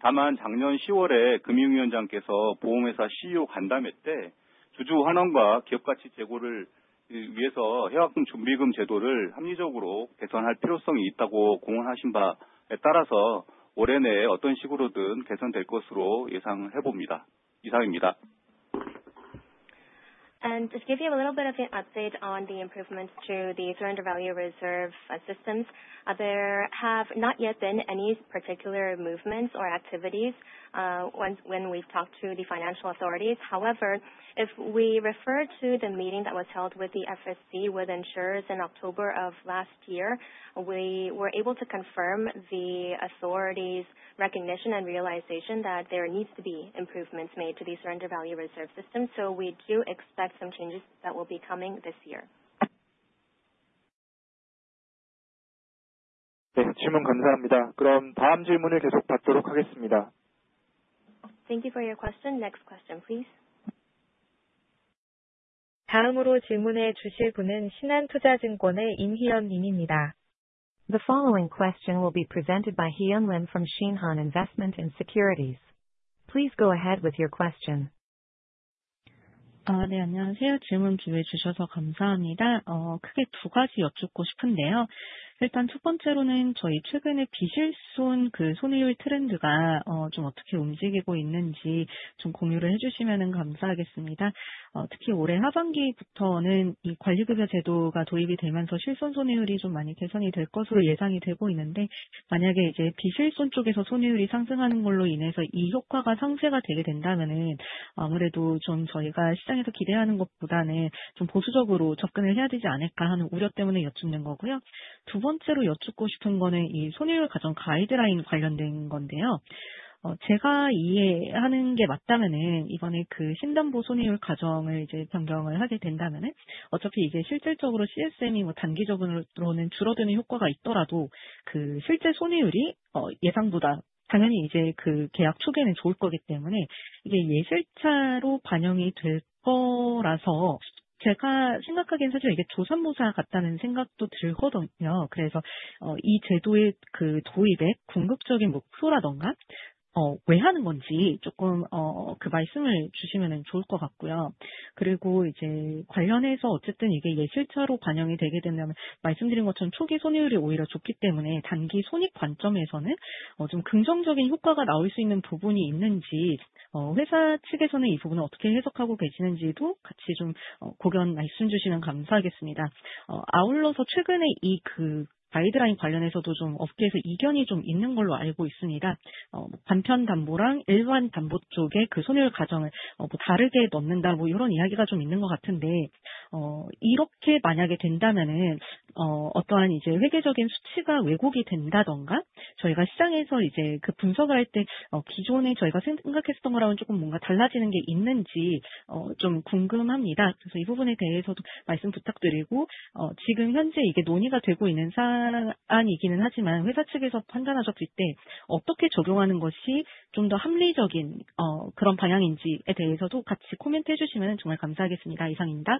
statutory reserves once when we've talked to the financial authorities. If we refer to the meeting that was held with the FSC with insurers in October of last year, we were able to confirm the authorities recognition and realization that there needs to be improvements made to the surrender value reserve system. We do expect some changes that will be coming this year. Thank you for your question. Next question, please. The following question will be presented by Hyun Lim from Shinhan Investment & Securities. Please go ahead with your question. Uh, 왜 하는 건지 조금 그 말씀을 주시면 좋을 것 같고요. 관련해서 어쨌든 이게 실제로 반영이 되게 되면 말씀드린 것처럼 초기 손해율이 오히려 좋기 때문에 단기 손익 관점에서는 좀 긍정적인 효과가 나올 수 있는 부분이 있는지 회사 측에서는 이 부분을 어떻게 해석하고 계시는지도 같이 좀 고견 말씀 주시면 감사하겠습니다. 최근에 이그 가이드라인 관련해서도 좀 업계에서 이견이 좀 있는 걸로 알고 있습니다. 단편 담보랑 일반 담보 쪽에 그 손해율 과정을 뭐 다르게 넣는다 뭐 이런 이야기가 좀 있는 것 같은데 이렇게 만약에 된다면은 어떠한 이제 회계적인 수치가 왜곡이 된다던가, 저희가 시장에서 이제 그 분석을 할때 기존에 저희가 생각했었던 거랑은 조금 뭔가 달라지는 게 있는지 좀 궁금합니다. 이 부분에 대해서도 말씀 부탁드리고 지금 현재 이게 논의가 되고 있는 사안이기는 하지만 회사 측에서 판단하셨을 때 어떻게 적용하는 것이 좀더 합리적인 그런 방향인지에 대해서도 같이 코멘트 해주시면 정말 감사하겠습니다. 이상입니다.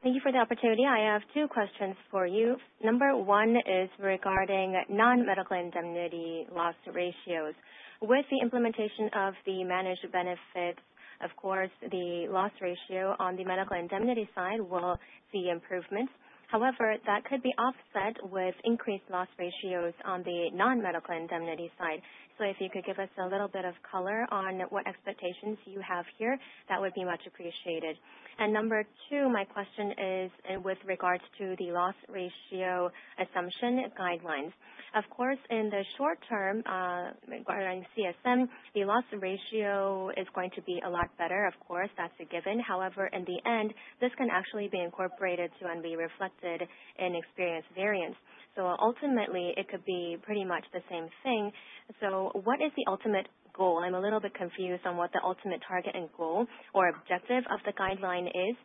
Thank you for the opportunity. I have two questions for you. Number one is regarding non-Medical Indemnity loss ratios. With the implementation of the managed benefits, of course, the loss ratio on the Medical Indemnity side will see improvements. However, that could be offset with increased loss ratios on the non-Medical Indemnity side. If you could give us a little bit of color on what expectations you have here, that would be much appreciated. Number two, my question is with regards to the loss ratio assumption guidelines. Of course, in the short term, regarding CSM, the loss ratio is going to be a lot better. Of course, that's a given. However, in the end, this can actually be incorporated to and be reflected in experience variance. Ultimately it could be pretty much the same thing. What is the ultimate goal? I'm a little bit confused on what the ultimate target and goal or objective of the guideline is.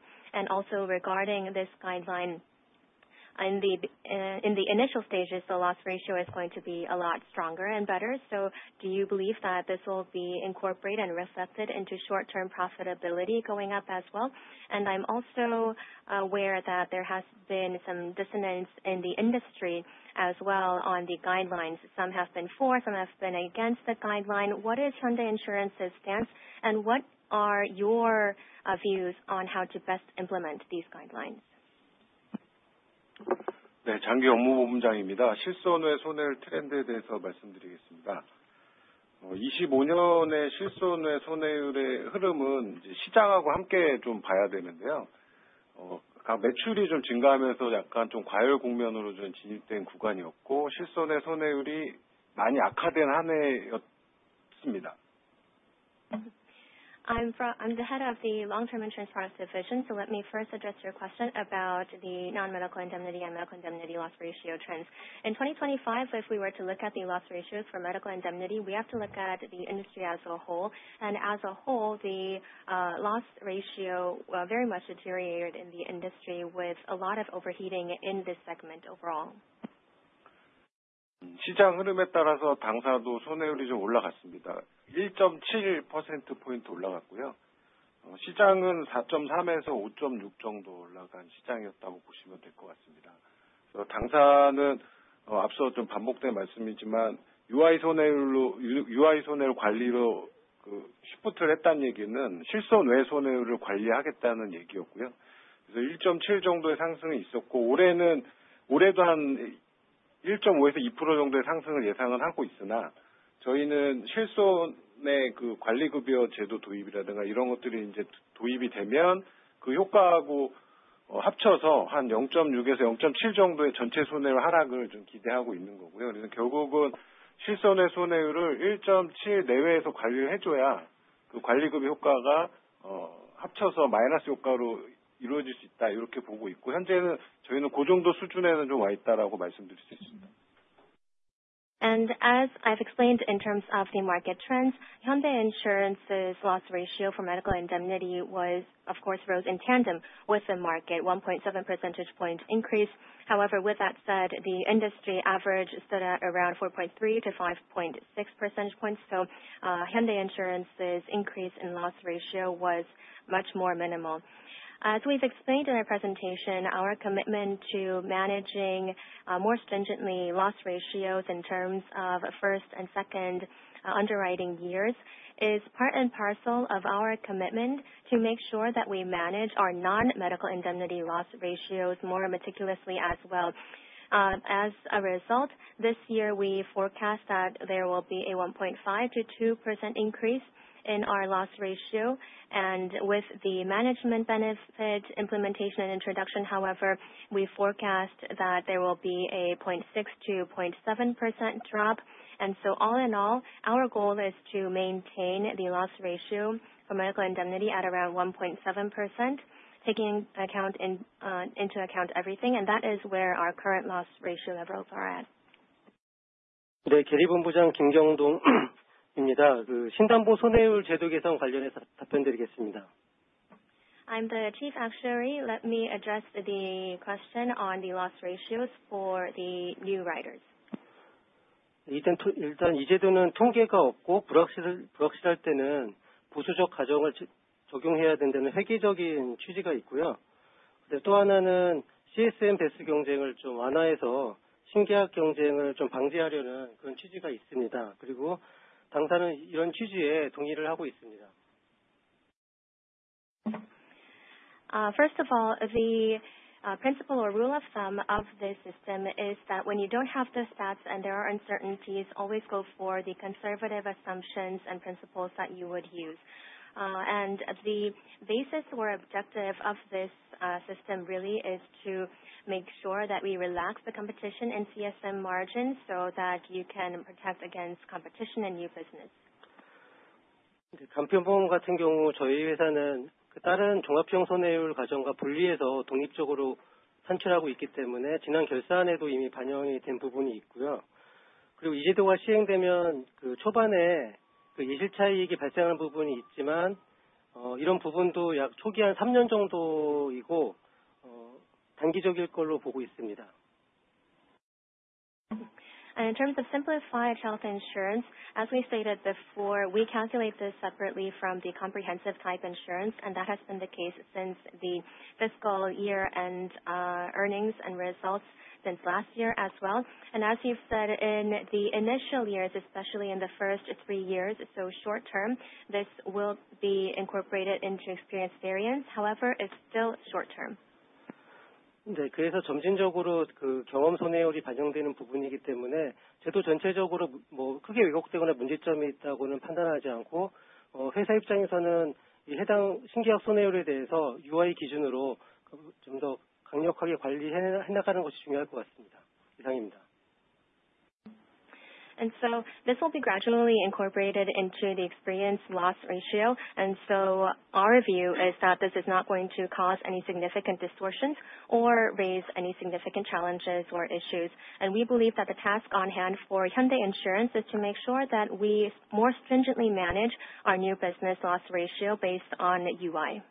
Regarding this guideline in the initial stages, the loss ratio is going to be a lot stronger and better. Do you believe that this will be incorporated and reflected into short-term profitability going up as well? I'm also aware that there has been some dissonance in the industry as well on the guidelines. Some have been for, some have been against the guideline. What is Hyundai Insurance's stance and what are your views on how to best implement these guidelines? 실손의 손해율 트렌드에 대해서 말씀드리겠습니다. 25년에 실손의 손해율의 흐름은 이제 시장하고 함께 좀 봐야 되는데요. 매출이 좀 증가하면서 약간 좀 과열 국면으로 좀 진입된 구간이었고, 실손의 손해율이 많이 악화된 한 해였습니다. I'm the head of the Long-term Insurance Products Division. Let me first address your question about the non-Medical Indemnity and Medical Indemnity loss ratio trends. In 2025, if we were to look at the loss ratios for Medical Indemnity, we have to look at the industry as a whole. As a whole, the loss ratio very much deteriorated in the industry with a lot of overheating in this segment overall. 시장 흐름에 따라서 당사도 손해율이 좀 올라갔습니다. 1.7 percentage points 올라갔고요. 시장은 4.3-5.6% 정도 올라간 시장이었다고 보시면 될것 같습니다. 당사는 앞서 좀 반복된 말씀이지만 UI 손해율로 UI 손해율 관리로 그 쉬프트를 했단 얘기는 실손 외 손해율을 관리하겠다는 얘기였고요. 1.7% 정도의 상승이 있었고, 올해는, 올해도 한 1.5%-2% 정도의 상승을 예상은 하고 있으나, 저희는 실손의 그 관리 급여 제도 도입이라든가 이런 것들이 이제 도입이 되면 그 효과하고 합쳐서 한 0.6-0.7% 정도의 전체 손해율 하락을 좀 기대하고 있는 거고요. 결국은 실손의 손해율을 1.7% 내외에서 관리를 해줘야 그 관리급의 효과가 합쳐서 마이너스 효과로 이루어질 수 있다, 이렇게 보고 있고, 현재는 저희는 그 정도 수준에는 좀와 있다라고 말씀드릴 수 있습니다. As I've explained in terms of the market trends, Hyundai Insurance's loss ratio for Medical Indemnity was of course rose in tandem with the market 1.7 percentage point increase. With that said, the industry average stood at around 4.3-5.6 percentage points. Hyundai Insurance's increase in loss ratio was much more minimal. As we've explained in our presentation, our commitment to managing more stringently loss ratios in terms of first and second underwriting years is part and parcel of our commitment to make sure that we manage our non-Medical Indemnity loss ratios more meticulously as well. As a result, this year we forecast that there will be a 1.5%-2% increase in our loss ratio. With the management benefit implementation and introduction, however, we forecast that there will be a 0.6%-0.7% drop. All in all, our goal is to maintain the loss ratio for Medical Indemnity at around 1.7%, taking into account everything. That is where our current loss ratio levels are at. 네, 개리 본부장 김경동 입니다. 그 신담보 손해율 제도 개선 관련해서 답변드리겠습니다. I'm the Chief Actuary. Let me address the question on the loss ratios for the new writers. 일단, 이 제도는 통계가 없고 불확실할 때는 보수적 가정을 적용해야 된다는 회계적인 취지가 있고요. First of all, the principle or rule of thumb of this system is that when you don't have the stats and there are uncertainties, always go for the conservative assumptions and principles that you would use. The basis or objective of this system really is to make sure that we relax the competition and CSM margins so that you can protect against competition and new business. In terms Simplified Health Insurance, as we stated before, we calculate this separately from the comprehensive type insurance, and that has been the case since the fiscal year and earnings and results since last year as well. As you've said, in the initial years, especially in the first three years, so short-term, this will be incorporated into experience variance. However, it's still short-term. This will be gradually incorporated into the experience loss ratio. Our view is that this is not going to cause any significant distortions or raise any significant challenges or issues. We believe that the task on hand for Hyundai Insurance is to make sure that we more stringently manage our new business loss ratio based on UI.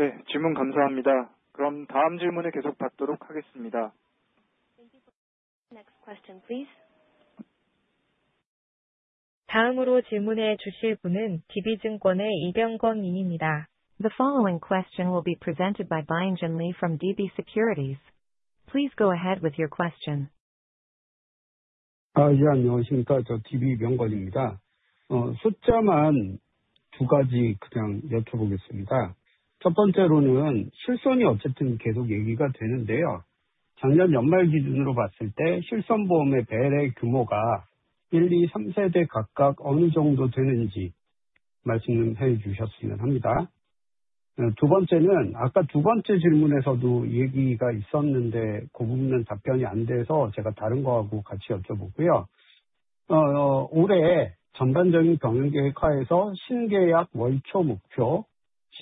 Thank you for the question. Next question, please. The following question will be presented by Byung Jin Lee from DB Securities. Please go ahead with your question.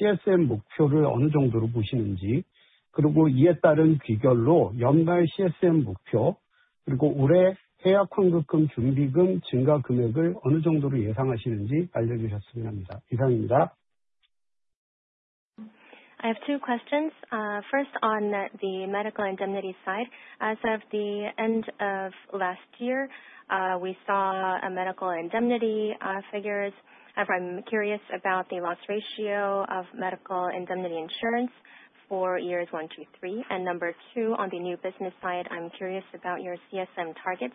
I have two questions. First on the Medical Indemnity side. As of the end of last year, we saw a Medical Indemnity figures. I'm curious about the loss ratio of Medical Indemnity insurance for years 1, 2, 3. Number 2, on the new business side, I'm curious about your CSM targets.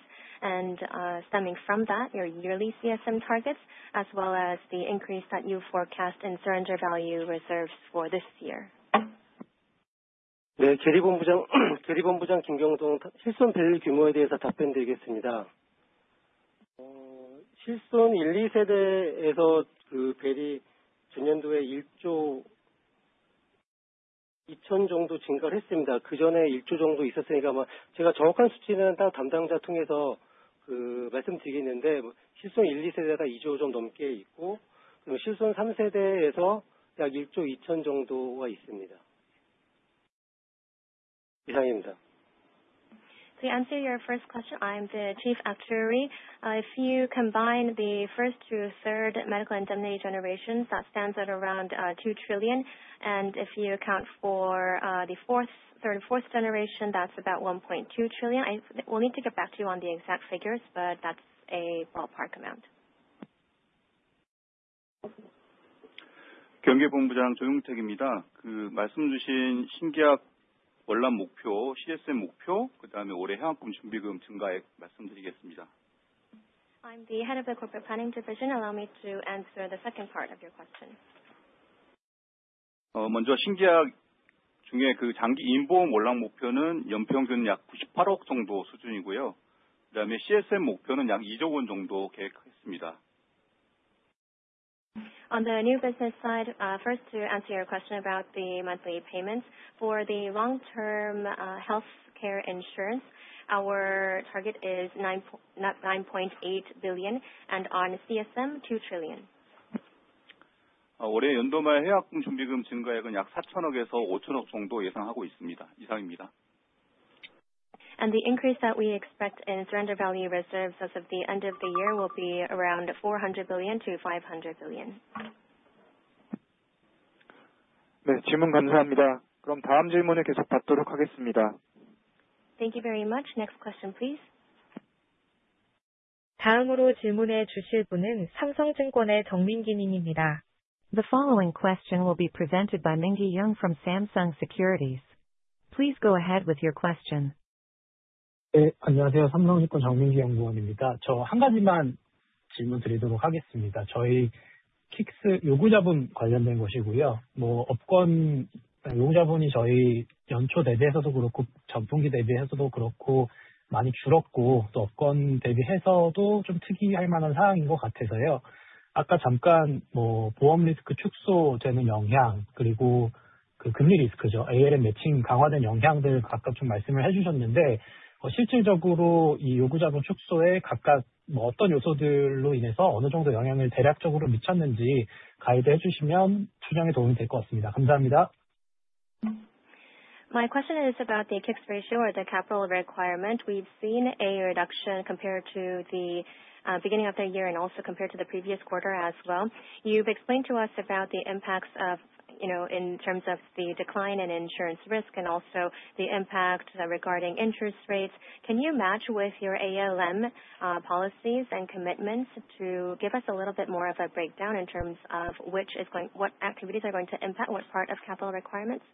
Stemming from that, your yearly CSM targets, as well as the increase that you forecast in surrender value reserves for this year. To answer your first question, I am the Chief Actuary. If you combine the first through third Medical Indemnity generations, that stands at around 2 trillion. If you account for the fourth, third, fourth generation, that's about 1.2 trillion. We'll need to get back to you on the exact figures, but that's a ballpark amount. I'm the head of the Corporate Planning Division. Allow me to answer the second part of your question. On the new business side, first to answer your question about the monthly payments. For the long-term, healthcare insurance, our target is 9.8 billion, and on CSM, 2 trillion. The increase that we expect in surrender value reserves as of the end of the year will be around 400 billion-500 billion. Thank you very much. Next question, please. 다음으로 질문해 주실 분은 삼성증권의 정민기 님입니다. The following question will be presented by Min-gi Jeong from Samsung Securities. Please go ahead with your question. 네, 안녕하세요. Samsung Securities Min-gi Jeong 연구원입니다. 저한 가지만 질문드리도록 하겠습니다. 저희 KICS 요구자본 관련된 것이고요. 뭐 업권 요구자본이 저희 연초 대비해서도 그렇고 전분기 대비해서도 그렇고 많이 줄었고, 또 업권 대비해서도 좀 특이할 만한 사항인 것 같아서요. 아까 잠깐 뭐 보험 리스크 축소되는 영향 그리고 그 금리 리스크죠. ALM 매칭 강화된 영향들 각각 좀 말씀을 해주셨는데, 실질적으로 이 요구자본 축소에 각각 뭐 어떤 요소들로 인해서 어느 정도 영향을 대략적으로 미쳤는지 가이드 해주시면 추정에 도움이 될것 같습니다. 감사합니다. My question is about the K-ICS ratio or the capital requirement. We've seen a reduction compared to the beginning of the year and also compared to the previous quarter as well. You've explained to us about the impacts of, you know, in terms of the decline in insurance risk and also the impact regarding interest rates. Can you match with your ALM policies and commitments to give us a little bit more of a breakdown in terms of which what activities are going to impact what part of capital requirements?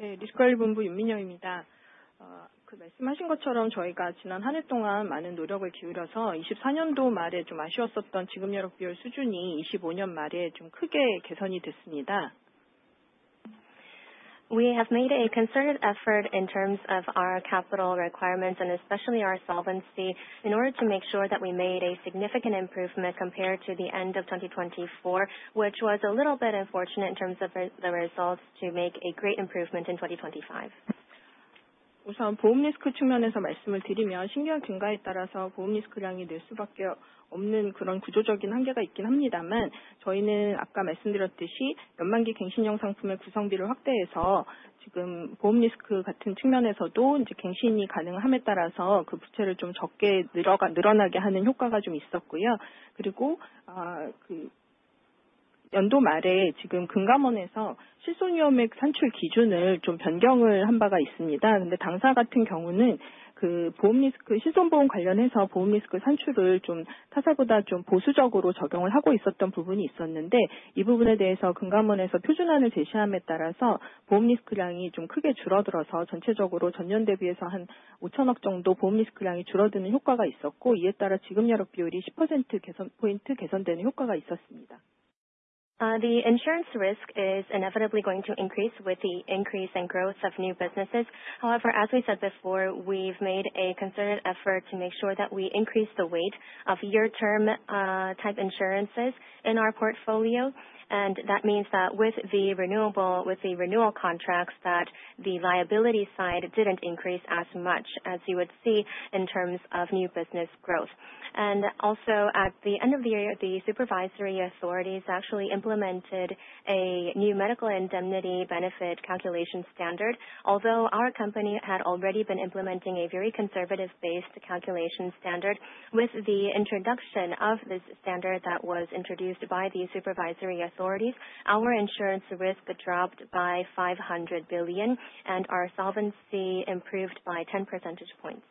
네, 윤민영입니다. 그 말씀하신 것처럼 저희가 지난 한해 동안 많은 노력을 기울여서 2024년도 말에 좀 아쉬웠었던 지급여력 비율 수준이 2025년 말에 좀 크게 개선이 됐습니다. We have made a concerted effort in terms of our capital requirements and especially our solvency in order to make sure that we made a significant improvement compared to the end of 2024, which was a little bit unfortunate in terms of the results to make a great improvement in 2025. 우선 보험 리스크 측면에서 말씀을 드리면 신규원 증가에 따라서 보험 리스크량이 늘 수밖에 없는 그런 구조적인 한계가 있긴 합니다만, 저희는 아까 말씀드렸듯이 연간기 갱신형 상품의 구성비를 확대해서 지금 보험 리스크 같은 측면에서도 이제 갱신이 가능함에 따라서 그 부채를 좀 적게 늘어나게 하는 효과가 좀 있었고요. 그 연도 말에 지금 금감원에서 실손보험의 산출 기준을 좀 변경을 한 바가 있습니다. 당사 같은 경우는 그 보험 리스크 실손보험 관련해서 보험 리스크 산출을 좀 타사보다 좀 보수적으로 적용을 하고 있었던 부분이 있었는데, 이 부분에 대해서 금감원에서 표준안을 제시함에 따라서 보험 리스크량이 좀 크게 줄어들어서 전체적으로 전년 대비해서 한 500 billion 정도 보험 리스크량이 줄어드는 효과가 있었고, 이에 따라 지급여력 비율이 10% point 개선 효과가 있었습니다. The insurance risk is inevitably going to increase with the increase in growth of new businesses. However, as we said before, we've made a concerted effort to make sure that we increase the weight of year term type insurances in our portfolio. That means that with the renewal contracts that the liability side didn't increase as much as you would see in terms of new business growth. Also at the end of the year, the supervisory authorities actually implemented a new Medical Indemnity benefit calculation standard. Although our company had already been implementing a very conservative based calculation standard. With the introduction of this standard that was introduced by the supervisory authorities, our insurance risk dropped by 500 billion and our solvency improved by 10 percentage points.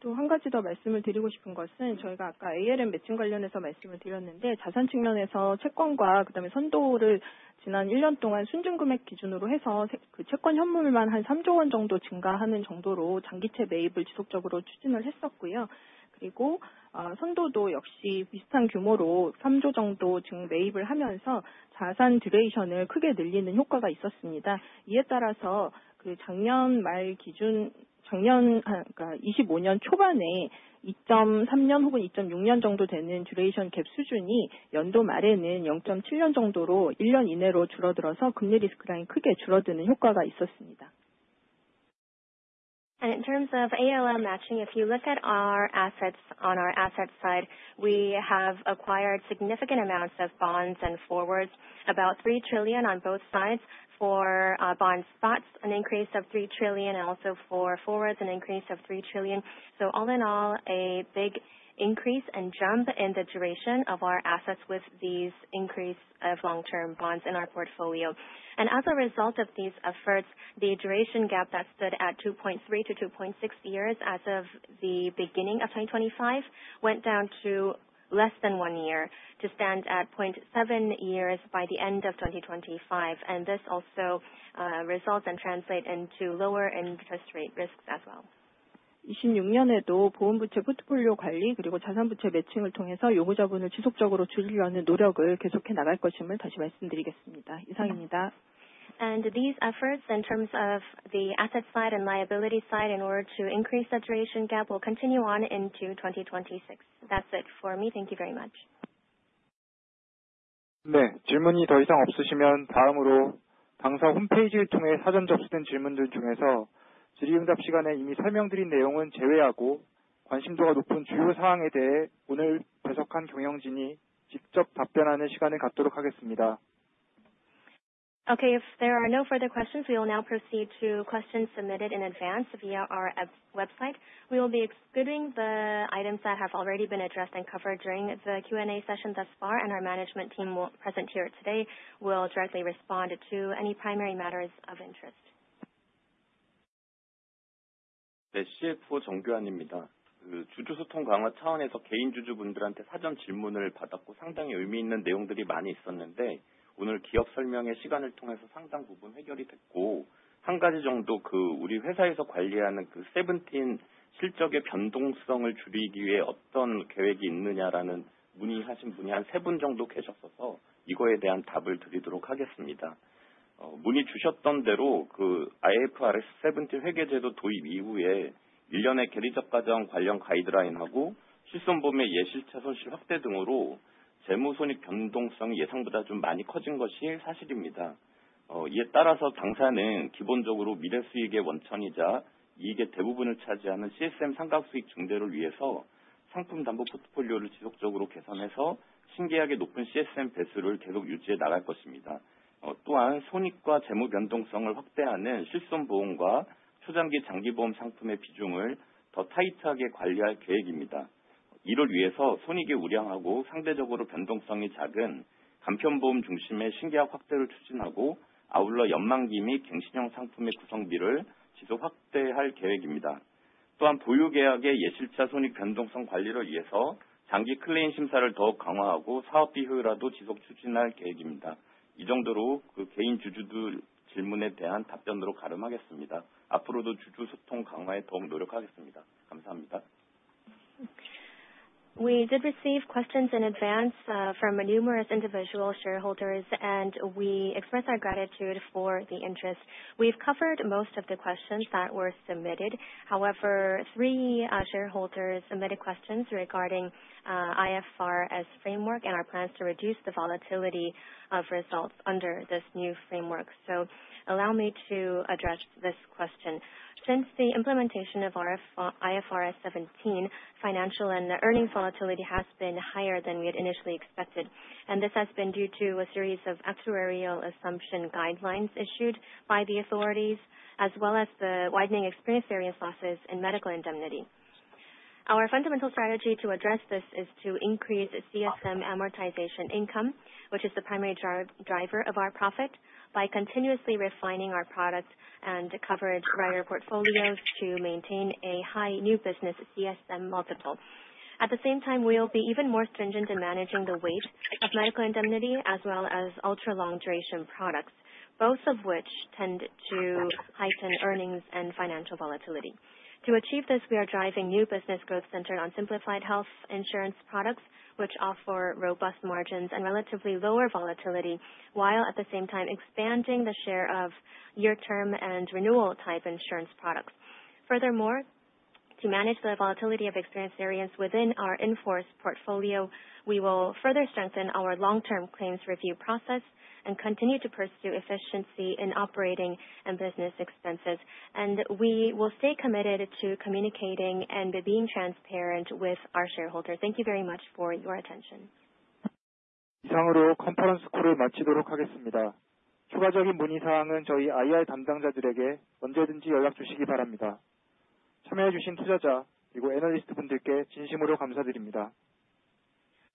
또한 가지 더 말씀을 드리고 싶은 것은 저희가 아까 ALM 매칭 관련해서 말씀을 드렸는데, 자산 측면에서 채권과 그다음에 선도를 지난 일년 동안 순증금액 기준으로 해서 그 채권 현물만 한 삼조 원 정도 증가하는 정도로 장기채 매입을 지속적으로 추진을 했었고요. 그리고 어 선도도 역시 비슷한 규모로 삼조 정도 증매입을 하면서 자산 듀레이션을 크게 늘리는 효과가 있었습니다. 이에 따라서 그 작년 말 기준 작년 아 그러니까 이십오년 초반에 이점삼 년 혹은 이점육 년 정도 되는 듀레이션 갭 수준이 연도 말에는 영점칠 년 정도로 일년 이내로 줄어들어서 금리 리스크량이 크게 줄어드는 효과가 있었습니다. In terms of ALM matching, if you look at our assets on our asset side, we have acquired significant amounts of bonds and forwards, about 3 trillion on both sides. For bond spots, an increase of 3 trillion, and also for forwards an increase of 3 trillion. All in all, a big increase and jump in the duration of our assets with these increase of long-term bonds in our portfolio. As a result of these efforts, the duration gap that stood at 2.3-2.6 years as of the beginning of 2025, went down to less than 1 year to stand at 0.7 years by the end of 2025. This also results and translate into lower interest rate risks as well. 이십육 년에도 보험 부채 포트폴리오 관리 그리고 자산 부채 매칭을 통해서 요구자본을 지속적으로 줄이려는 노력을 계속해 나갈 것임을 다시 말씀드리겠습니다. 이상입니다. These efforts in terms of the asset side and liability side in order to increase the duration gap will continue on into 2026. That's it for me. Thank you very much. 네, 질문이 더 이상 없으시면 다음으로 당사 홈페이지를 통해 사전 접수된 질문들 중에서 질의응답 시간에 이미 설명드린 내용은 제외하고 관심도가 높은 주요 사항에 대해 오늘 배석한 경영진이 직접 답변하는 시간을 갖도록 하겠습니다. Okay. If there are no further questions, we will now proceed to questions submitted in advance via our website. We will be excluding items that have already been addressed and covered during the Q&A session thus far, and our management team will present here today, will directly respond to any primary matters of interest. We did receive questions in advance from numerous individual shareholders. We express our gratitude for the interest. We've covered most of the questions that were submitted. 3 shareholders submitted questions regarding IFRS framework and our plans to reduce the volatility of results under this new framework. Allow me to address this question. Since the implementation of IFRS 17, financial and earnings volatility has been higher than we had initially expected. This has been due to a series of actuarial assumption guidelines issued by the authorities, as well as the widening experience areas losses in Medical Indemnity. Our fundamental strategy to address this is to increase CSM amortization income, which is the primary driver of our profit, by continuously refining our products and coverage writer portfolios to maintain a high new business CSM Multiple. At the same time, we will be even more stringent in managing the weight of Medical Indemnity as well as ultra-long duration products, both of which tend to heighten earnings and financial volatility. To achieve this, we are driving new business growth centered Simplified Health Insurance products, which offer robust margins and relatively lower volatility, while at the same time expanding the share of year term and renewal type insurance products. Furthermore, to manage the volatility of experienced areas within our in-force portfolio, we will further strengthen our long-term claims review process and continue to pursue efficiency in operating and business expenses. We will stay committed to communicating and being transparent with our shareholders. Thank you very much for your attention.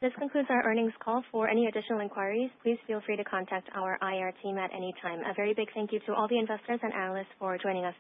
This concludes our earnings call. For any additional inquiries, please feel free to contact our IR team at any time. A very big thank you to all the investors and analysts for joining us today.